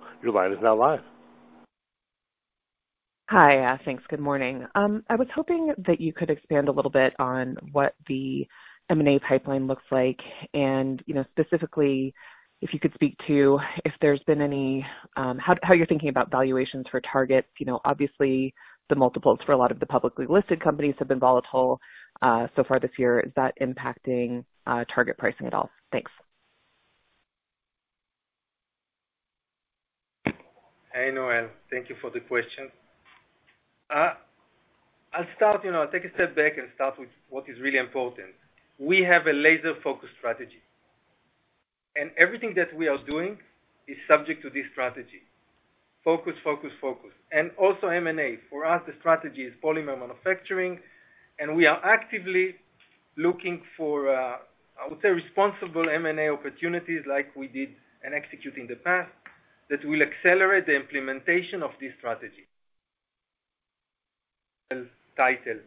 Hi. Thanks. Good morning. I was hoping that you could expand a little bit on what the M&A pipeline looks like, and specifically, if you could speak to how you're thinking about valuations for targets. Obviously, the multiples for a lot of the publicly listed companies have been volatile so far this year. Is that impacting target pricing at all? Thanks. Hey, Noelle. Thank you for the question. I'll take a step back and start with what is really important. We have a laser-focused strategy, and everything that we are doing is subject to this strategy. Focus. Also M&A. For us, the strategy is polymer manufacturing, and we are actively looking for, I would say, responsible M&A opportunities like we did and execute in the past that will accelerate the implementation of this strategy. Title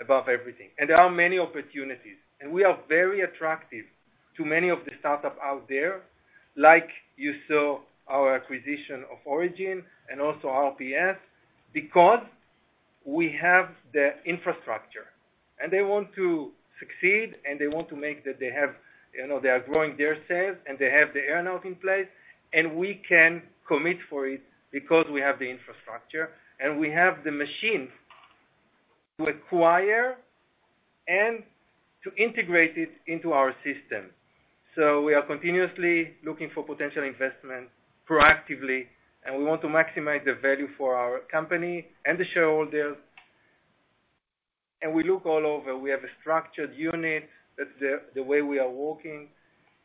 above everything. There are many opportunities, and we are very attractive to many of the startup out there. Like you saw our acquisition of Origin and also RPS because we have the infrastructure and they want to succeed, and they want to make that they are growing their sales, and they have the earn-out in place, and we can commit for it because we have the infrastructure, and we have the machine to acquire and to integrate it into our system. We are continuously looking for potential investment proactively, and we want to maximize the value for our company and the shareholders. We look all over. We have a structured unit. That's the way we are working.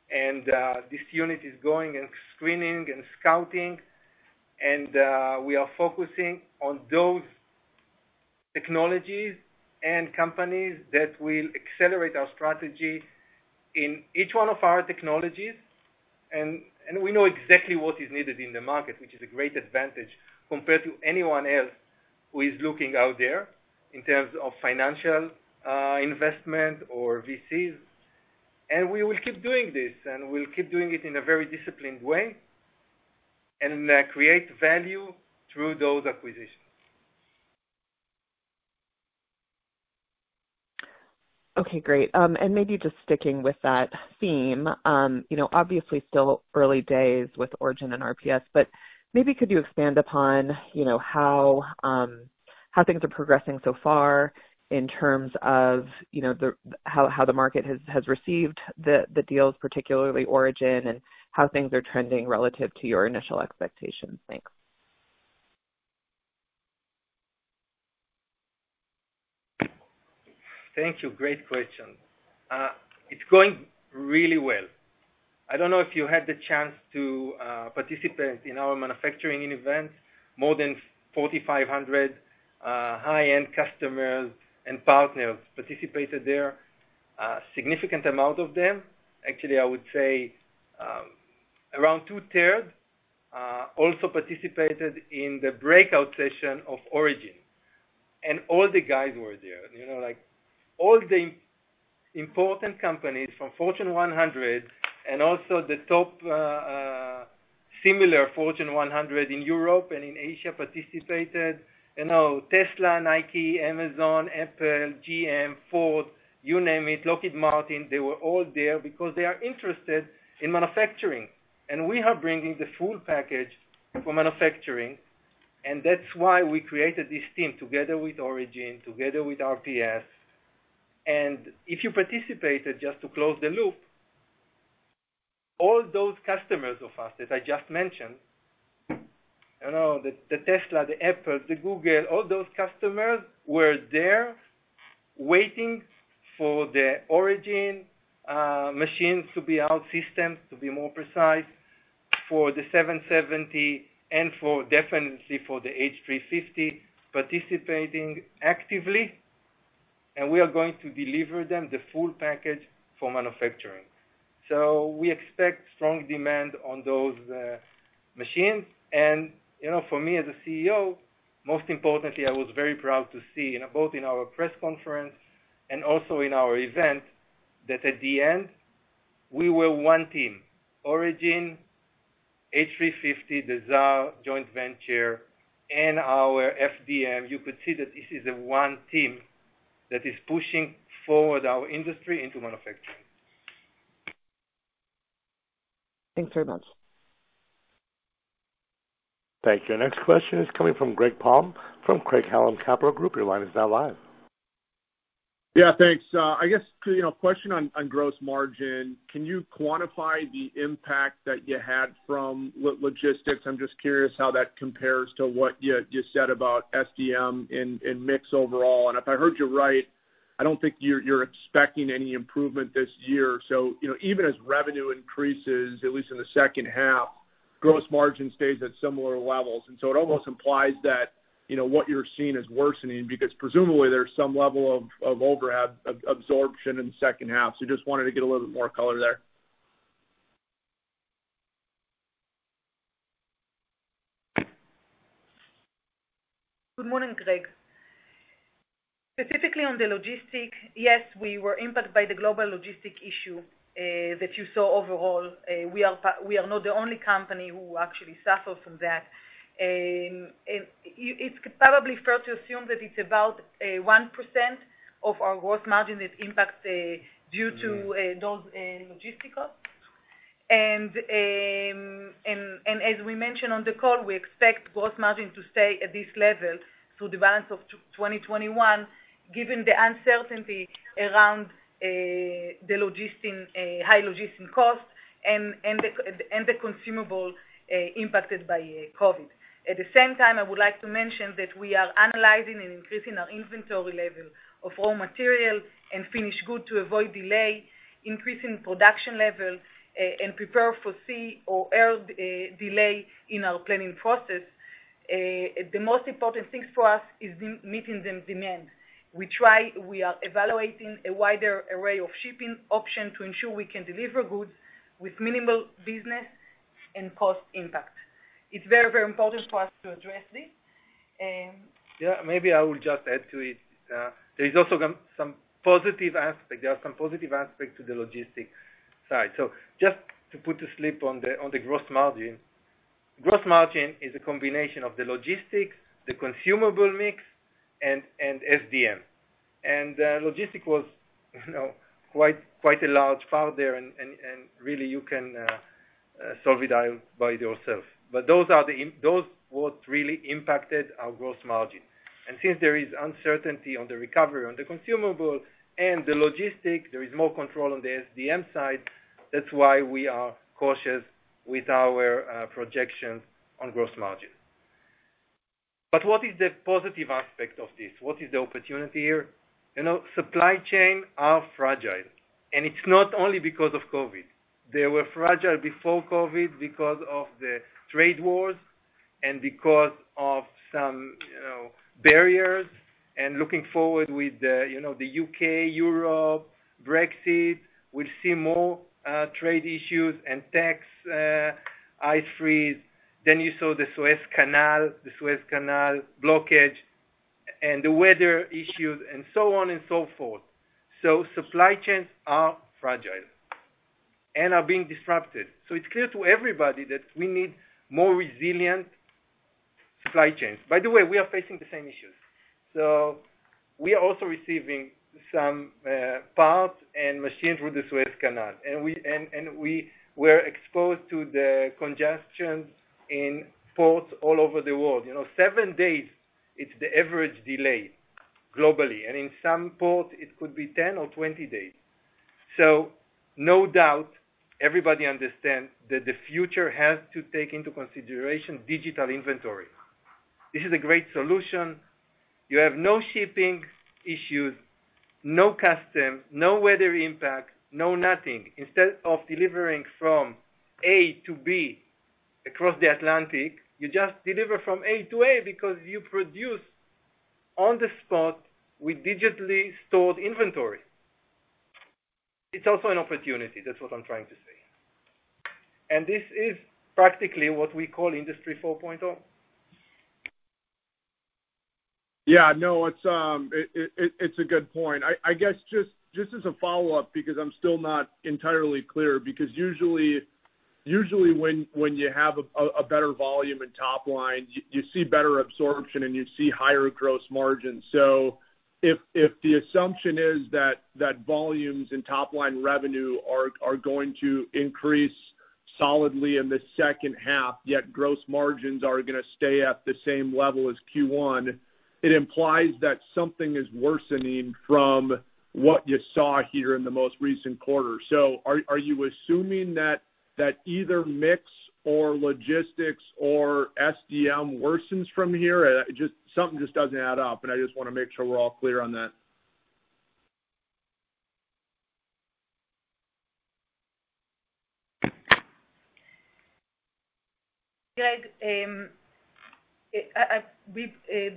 This unit is going and screening and scouting, and we are focusing on those technologies and companies that will accelerate our strategy in each one of our technologies. We know exactly what is needed in the market, which is a great advantage compared to anyone else who is looking out there in terms of financial investment or VCs. We will keep doing this, and we'll keep doing it in a very disciplined way and create value through those acquisitions. Okay, great. Maybe just sticking with that theme. Obviously, still early days with Origin and RPS. Maybe could you expand upon how things are progressing so far in terms of how the market has received the deals, particularly Origin, and how things are trending relative to your initial expectations? Thanks. Thank you. Great question. It's going really well. I don't know if you had the chance to participate in our manufacturing event. More than 4,500 high-end customers and partners participated there. A significant amount of them, actually, I would say around two-thirds also participated in the breakout session of Origin. All the guys were there. All the important companies from Fortune 100 and also the top similar Fortune 100 in Europe and in Asia participated. You know, Tesla, Nike, Amazon, Apple, GM, Ford, you name it, Lockheed Martin. They were all there because they are interested in manufacturing, and we are bringing the full package for manufacturing, and that's why we created this team together with Origin, together with RPS. If you participated, just to close the loop, all those customers of ours, as I just mentioned, the Tesla, the Apple, the Google, all those customers were there waiting for the Origin machines to be out, systems to be more precise for the F770 and definitely for the H350, participating actively, and we are going to deliver them the full package for manufacturing. We expect strong demand on those machines. For me as a CEO, most importantly, I was very proud to see both in our press conference and also in our event that at the end, we were one team. Origin, H350, the Xaar joint venture, and our FDM. You could see that this is a one team that is pushing forward our industry into manufacturing. Thanks very much. Thank you. Next question is coming from Greg Palm from Craig-Hallum Capital Group. Your line is now live. Yeah, thanks. I guess, question on gross margin. Can you quantify the impact that you had from logistics? I'm just curious how that compares to what you said about SDM and mix overall. If I heard you right, I don't think you're expecting any improvement this year. Even as revenue increases, at least in the second half, gross margin stays at similar levels. It almost implies that what you're seeing is worsening because presumably there's some level of overhead absorption in the second half. Just wanted to get a little bit more color there. Good morning, Greg. Specifically on the logistics, yes, we were impacted by the global logistics issue that you saw overall. We are not the only company who actually suffer from that. It's probably fair to assume that it's about 1% of our gross margin that impacts due to those logistics costs. As we mentioned on the call, we expect gross margin to stay at this level through the balance of 2021, given the uncertainty around the high logistics cost and the consumable impacted by COVID-19. At the same time, I would like to mention that we are analyzing and increasing our inventory level of raw material and finished good to avoid delay, increasing production level, and prepare to foresee or held delay in our planning process. The most important things for us is meeting the demand. We are evaluating a wider array of shipping option to ensure we can deliver goods with minimal business and cost impact. It's very important for us to address this. Yeah, maybe I will just add to it. There are some positive aspects to the logistics side. Just to put to sleep on the gross margin. Gross margin is a combination of the logistics, the consumable mix, and SDM. Logistic was quite a large part there and, really you can solve it by yourself. Those what really impacted our gross margin. Since there is uncertainty on the recovery on the consumable and the logistic, there is more control on the SDM side. That's why we are cautious with our projections on gross margin. What is the positive aspect of this? What is the opportunity here? Supply chain are fragile, and it's not only because of COVID. They were fragile before COVID because of the trade wars and because of some barriers. Looking forward with the U.K., Europe, Brexit, we'll see more trade issues and tax [tariffs]. You saw the Suez Canal blockage and the weather issues and so on and so forth. Supply chains are fragile and are being disrupted. It's clear to everybody that we need more resilient supply chains. By the way, we are facing the same issues. We are also receiving some parts and machines through the Suez Canal, and we were exposed to the congestions in ports all over the world. Seven days, it's the average delay globally, and in some port it could be 10 or 20 days. No doubt, everybody understands that the future has to take into consideration digital inventory. This is a great solution. You have no shipping issues, no custom, no weather impact, no nothing. Instead of delivering from A to B across the Atlantic, you just deliver from A to A because you produce on the spot with digitally stored inventory. It is also an opportunity, that is what I am trying to say. This is practically what we call Industry 4.0. Yeah. No, it's a good point. I guess, just as a follow-up, because I'm still not entirely clear, because usually when you have a better volume in top line, you see better absorption, and you see higher gross margin. If the assumption is that volumes in top line revenue are going to increase solidly in the second half, yet gross margins are going to stay at the same level as Q1, it implies that something is worsening from what you saw here in the most recent quarter. Are you assuming that either mix or logistics or SDM worsens from here? Something just doesn't add up, and I just want to make sure we're all clear on that. Greg,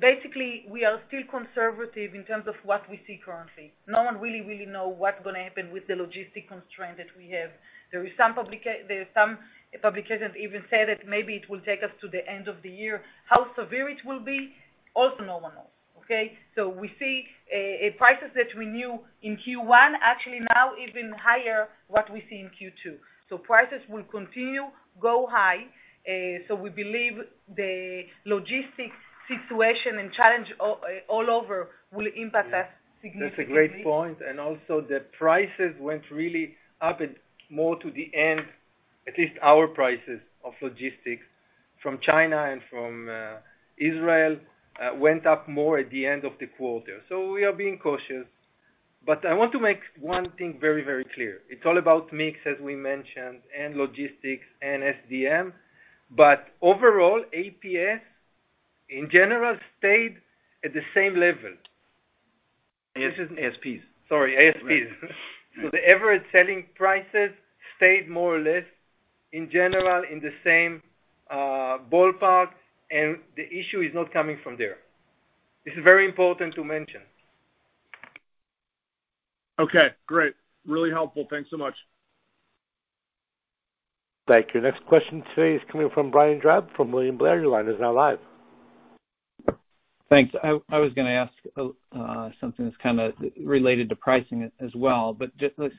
basically, we are still conservative in terms of what we see currently. No one really know what's going to happen with the logistic constraint that we have. There is some publications even say that maybe it will take us to the end of the year. How severe it will be, also no one knows, okay? We see prices that we knew in Q1 actually now even higher, what we see in Q2. Prices will continue go high. We believe the logistics-situation and challenge all over will impact us significantly. That's a great point. Also the prices went really up more to the end, at least our prices of logistics from China and from Israel, went up more at the end of the quarter. We are being cautious. I want to make one thing very clear. It's all about mix, as we mentioned, and logistics, and SDM, but overall, ASPs in general stayed at the same level. ASPs. Sorry, ASPs. The average selling prices stayed more or less in general in the same ballpark, and the issue is not coming from there. This is very important to mention. Okay, great. Really helpful. Thanks so much. Thank you. Next question today is coming from Brian Drab from William Blair. Your line is now live. Thanks. I was going to ask something that's kind of related to pricing as well, but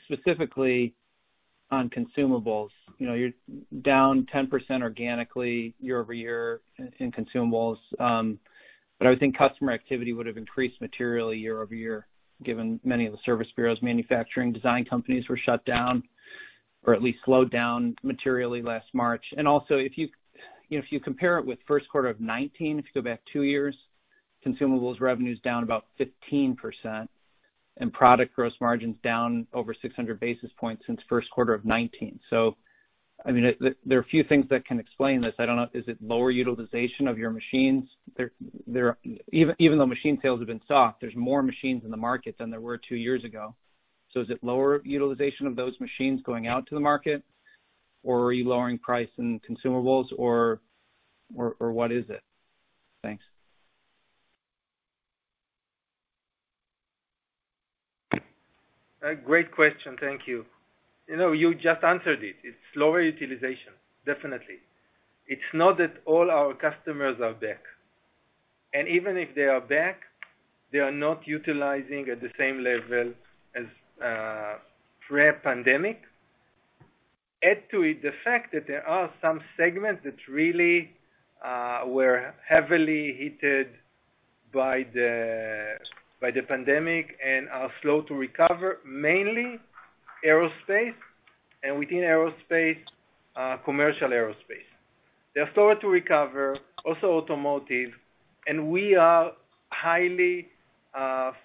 specifically on consumables. You're down 10% organically year-over-year in consumables. I would think customer activity would have increased materially year-over-year, given many of the service bureaus manufacturing design companies were shut down, or at least slowed down materially last March. Also, if you compare it with first quarter of 2019, if you go back two years, consumables revenues down about 15% and product gross margins down over 600 basis points since first quarter of 2019. There are a few things that can explain this. I don't know. Is it lower utilization of your machines? Even though machine sales have been soft, there's more machines in the market than there were two years ago. Is it lower utilization of those machines going out to the market, or are you lowering price in consumables or what is it? Thanks. A great question. Thank you. You just answered it. It's lower utilization, definitely. It's not that all our customers are back. Even if they are back, they are not utilizing at the same level as pre-pandemic. Add to it the fact that there are some segments that really were heavily hit by the pandemic and are slow to recover, mainly aerospace, and within aerospace, commercial aerospace. They're slow to recover. Also automotive. We are highly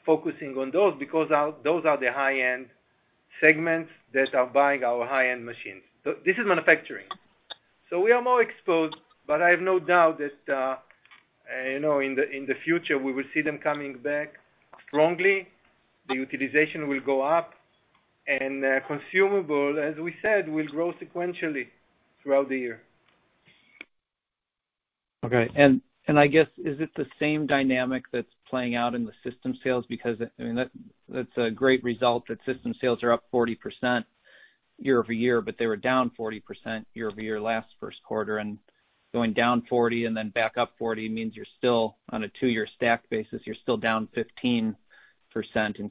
focusing on those because those are the high-end segments that are buying our high-end machines. This is manufacturing. We are more exposed, but I have no doubt that in the future, we will see them coming back strongly. The utilization will go up, and consumable, as we said, will grow sequentially throughout the year. Okay. I guess, is it the same dynamic that's playing out in the system sales? That's a great result that system sales are up 40% year-over-year, but they were down 40% year-over-year last first quarter. Going down 40% and then back up 40% means you're still on a two-year stack basis. You're still down 15% in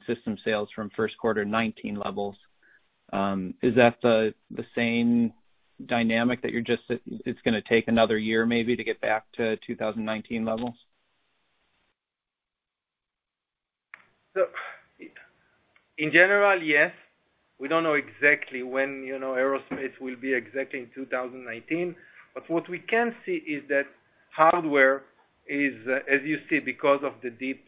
system sales from first quarter 2019 levels. Is that the same dynamic that it's going to take another year maybe to get back to 2019 levels? In general, yes. We don't know exactly when aerospace will be exactly in 2019. What we can see is that hardware is, as you see, because of the deep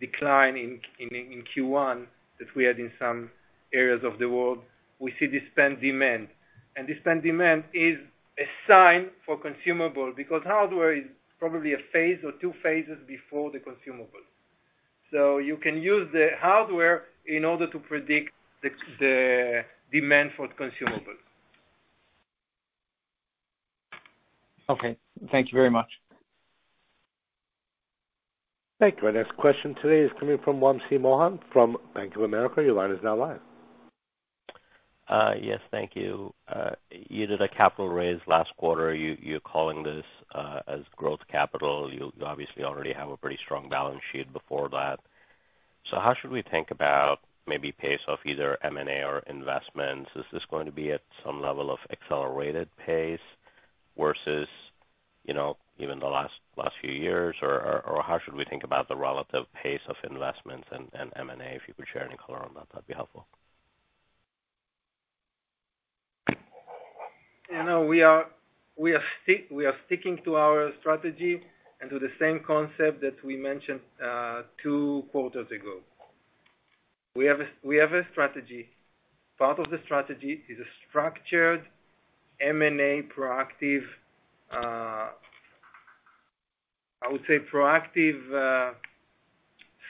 decline in Q1 that we had in some areas of the world, we see the spend demand. The spend demand is a sign for consumable because hardware is probably a phase or two phases before the consumable. You can use the hardware in order to predict the demand for consumable. Okay. Thank you very much. Thank you. Our next question today is coming from Wamsi Mohan from Bank of America. Your line is now live. Yes. Thank you. You did a capital raise last quarter. You're calling this as growth capital. You obviously already have a pretty strong balance sheet before that. How should we think about maybe pace of either M&A or investments? Is this going to be at some level of accelerated pace versus even the last few years? How should we think about the relative pace of investments and M&A? If you could share any color on that'd be helpful. We are sticking to our strategy and to the same concept that we mentioned two quarters ago. We have a strategy. Part of the strategy is a structured M&A, I would say, proactive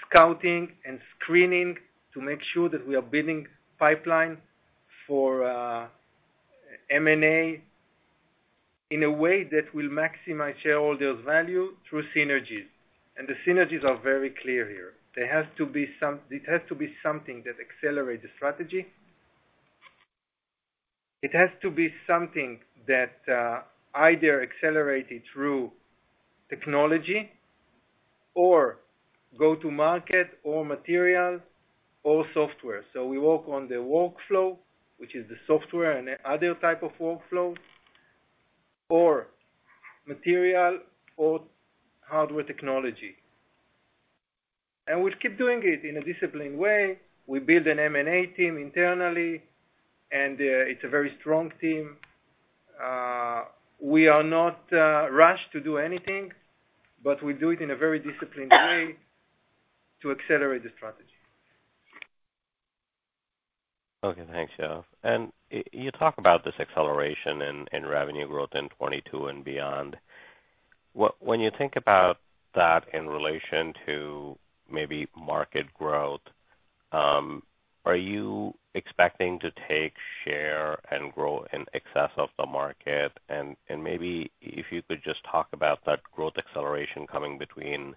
scouting and screening to make sure that we are building pipeline for M&A in a way that will maximize shareholders' value through synergies. The synergies are very clear here. It has to be something that accelerates the strategy. It has to be something that either accelerated through technology or go to market or material or software. We work on the workflow, which is the software and other type of workflows, or material or hardware technology. We keep doing it in a disciplined way. We build an M&A team internally, and it's a very strong team. We are not rushed to do anything, but we do it in a very disciplined way to accelerate the strategy. Okay. Thanks, Yoav. You talk about this acceleration in revenue growth in 2022 and beyond. When you think about that in relation to maybe market growth, are you expecting to take share and grow in excess of the market? Maybe if you could just talk about that growth acceleration coming between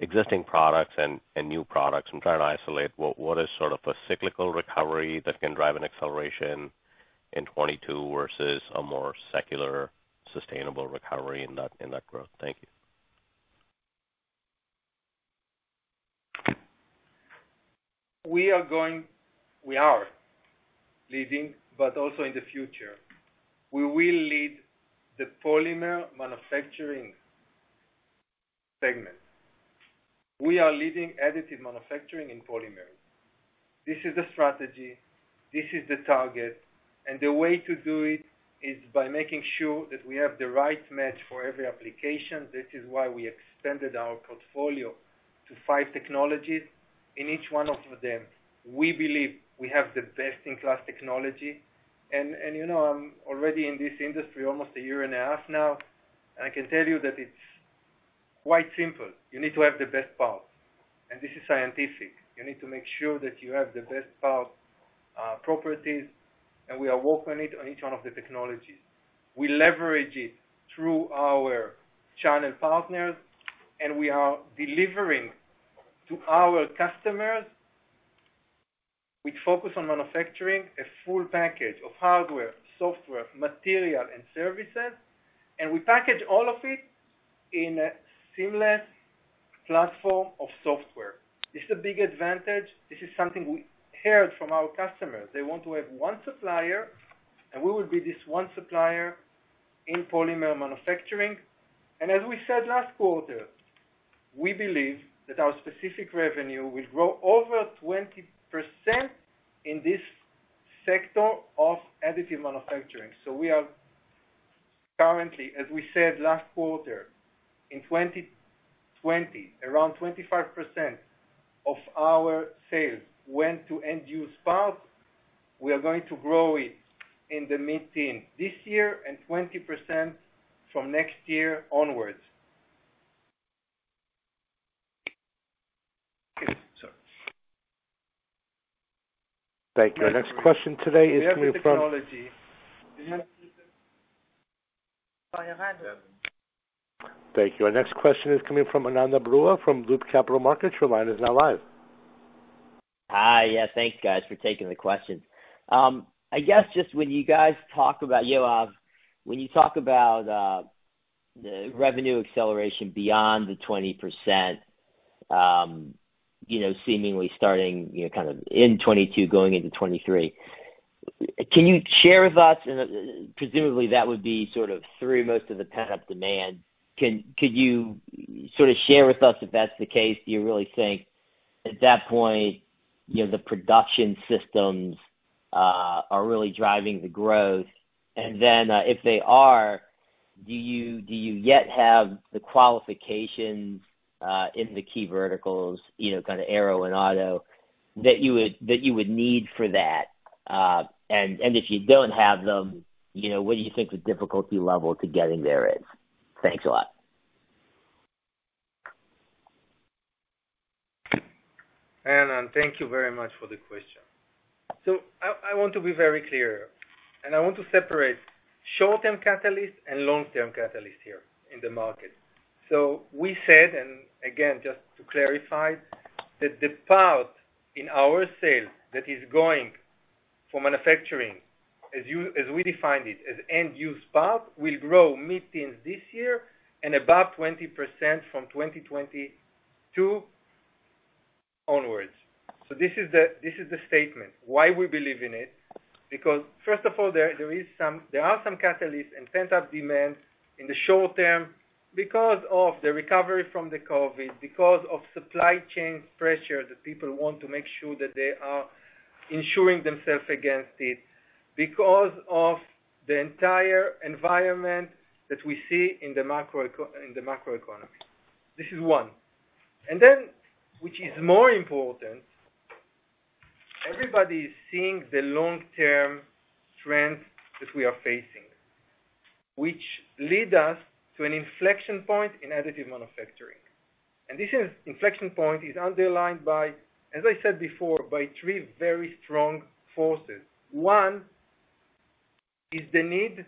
existing products and new products. I'm trying to isolate what is sort of a cyclical recovery that can drive an acceleration in 2022 versus a more secular, sustainable recovery in that growth. Thank you. We are leading. Also in the future, we will lead the polymer manufacturing segment. We are leading additive manufacturing in polymers. This is the strategy, this is the target. The way to do it is by making sure that we have the right match for every application. This is why we expanded our portfolio to five technologies. In each one of them, we believe we have the best-in-class technology. I'm already in this industry almost a year and a half now. I can tell you that it's quite simple. You need to have the best parts. This is scientific. You need to make sure that you have the best part properties. We are working on each one of the technologies. We leverage it through our channel partners. We are delivering to our customers. We focus on manufacturing a full package of hardware, software, material, and services, and we package all of it in a seamless platform of software. This is a big advantage. This is something we heard from our customers. They want to have one supplier. We will be this one supplier in polymer manufacturing. As we said last quarter, we believe that our specific revenue will grow over 20% in this sector of additive manufacturing. We are currently, as we said last quarter, in 2020, around 25% of our sales went to end-use parts. We are going to grow it in the mid-teen this year and 20% from next year onwards. Sorry. Thank you. Our next question today is coming from- We have the technology. Thank you. Our next question is coming from Ananda Baruah from Loop Capital Markets. Your line is now live. Hi. Yeah, thanks, guys, for taking the question. Yoav, when you talk about the revenue acceleration beyond the 20%, seemingly starting, kind of in 2022, going into 2023, can you share with us, presumably that would be sort of through most of the pent-up demand. Could you sort of share with us if that's the case? Do you really think at that point, the production systems are really driving the growth? If they are, do you yet have the qualifications, in the key verticals, kind of aero and auto, that you would need for that? If you don't have them, what do you think the difficulty level to getting there is? Thanks a lot. Ananda, thank you very much for the question. I want to be very clear, and I want to separate short-term catalyst and long-term catalyst here in the market. We said, and again, just to clarify, that the part in our sales that is going for manufacturing, as we defined it, as end-use part, will grow mid-teens this year and above 20% from 2022 onwards. This is the statement. Why we believe in it? First of all, there are some catalysts and pent-up demands in the short term because of the recovery from the COVID, because of supply chain pressure, that people want to make sure that they are ensuring themselves against it, because of the entire environment that we see in the macroeconomy. This is one. Which is more important, everybody is seeing the long-term trend that we are facing, which leads us to an inflection point in additive manufacturing. This inflection point is underlined by, as I said before, by three very strong forces. One is the need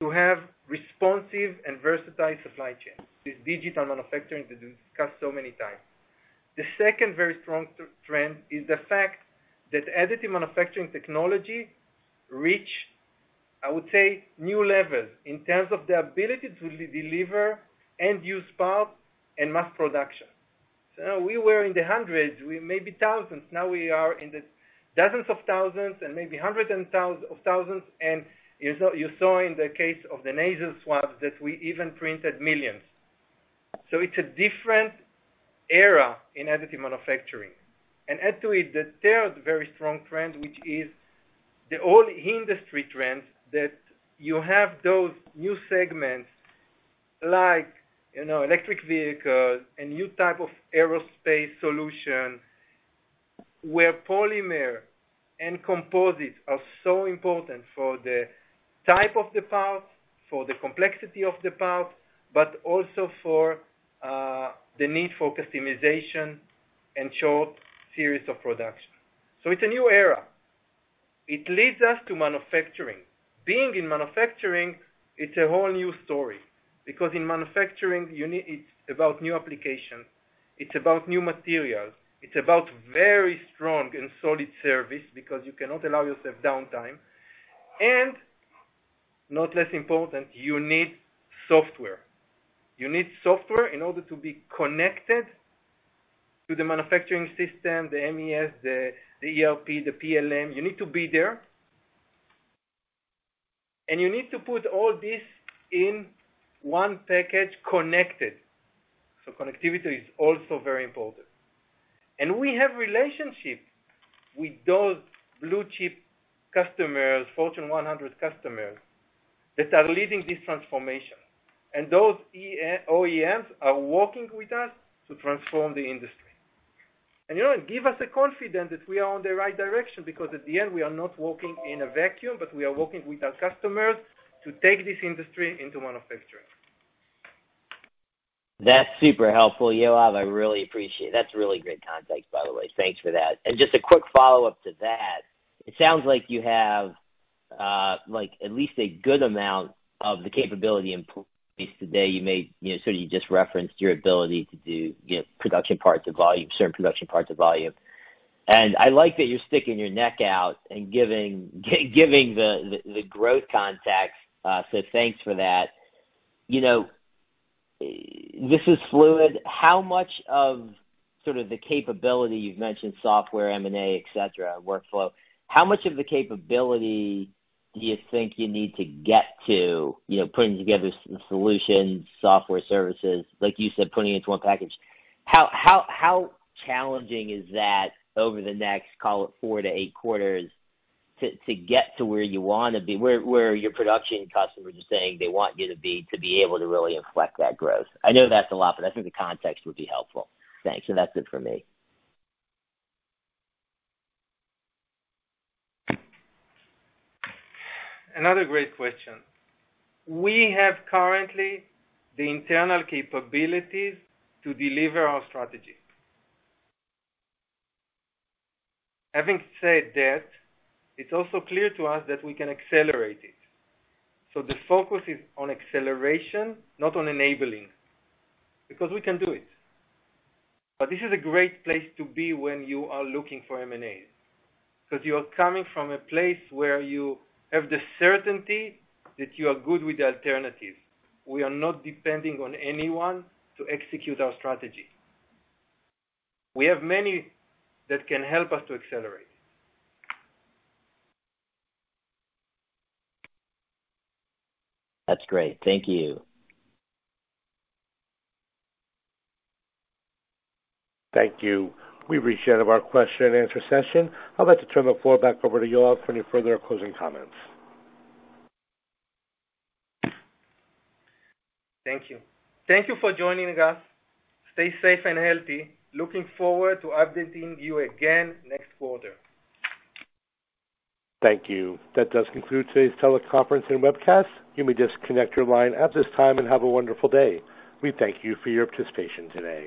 to have responsive and versatile supply chains. This digital manufacturing that we've discussed so many times. The second very strong trend is the fact that additive manufacturing technology reaches new levels in terms of the ability to deliver end-use parts in mass production. We were in the hundreds, maybe thousands. Now we are in the dozens of thousands and maybe hundreds of thousands. You saw in the case of the nasal swabs that we even printed millions. It's a different era in additive manufacturing. Add to it the third very strong trend, which is the only industry trend, that you have those new segments like electric vehicles and new type of aerospace solution, where polymer and composites are so important for the type of the parts, for the complexity of the parts, but also for the need for customization, and short series of production. It's a new era. It leads us to manufacturing. Being in manufacturing, it's a whole new story, because in manufacturing, it's about new application, it's about new materials, it's about very strong and solid service because you cannot allow yourself downtime. Not less important, you need software. You need software in order to be connected to the manufacturing system, the MES, the ERP, the PLM. You need to be there. You need to put all this in one package connected. Connectivity is also very important. We have relationship with those blue-chip customers, Fortune 100 customers, that are leading this transformation. Those OEMs are working with us to transform the industry. Give us a confidence that we are on the right direction, because at the end, we are not working in a vacuum, but we are working with our customers to take this industry into manufacturing. That's super helpful, Yoav. I really appreciate it. That's really great context, by the way. Thanks for that. Just a quick follow-up to that, it sounds like you have at least a good amount of the capability in place today. You sort of just referenced your ability to do certain production parts of volume. I like that you're sticking your neck out and giving the growth context. Thanks for that. This is fluid. You've mentioned software, M&A, et cetera, workflow. How much of the capability do you think you need to get to, putting together solutions, software services, like you said, putting into one package? How challenging is that over the next, call it four to eight quarters, to get to where you want to be, where your production customers are saying they want you to be, to be able to really reflect that growth? I know that's a lot, but I think the context would be helpful. Thanks. That's it for me. Another great question. We have currently the internal capabilities to deliver our strategy. Having said that, it's also clear to us that we can accelerate it. The focus is on acceleration, not on enabling, because we can do it. This is a great place to be when you are looking for M&A, because you're coming from a place where you have the certainty that you are good with the alternative. We are not depending on anyone to execute our strategy. We have many that can help us to accelerate. That's great. Thank you. Thank you. We've reached the end of our question and answer session. I'd like to turn the floor back over to Yoav for any further closing comments. Thank you. Thank you for joining us. Stay safe and healthy. Looking forward to updating you again next quarter. Thank you. That does conclude today's teleconference and webcast. You may disconnect your line at this time, and have a wonderful day. We thank you for your participation today.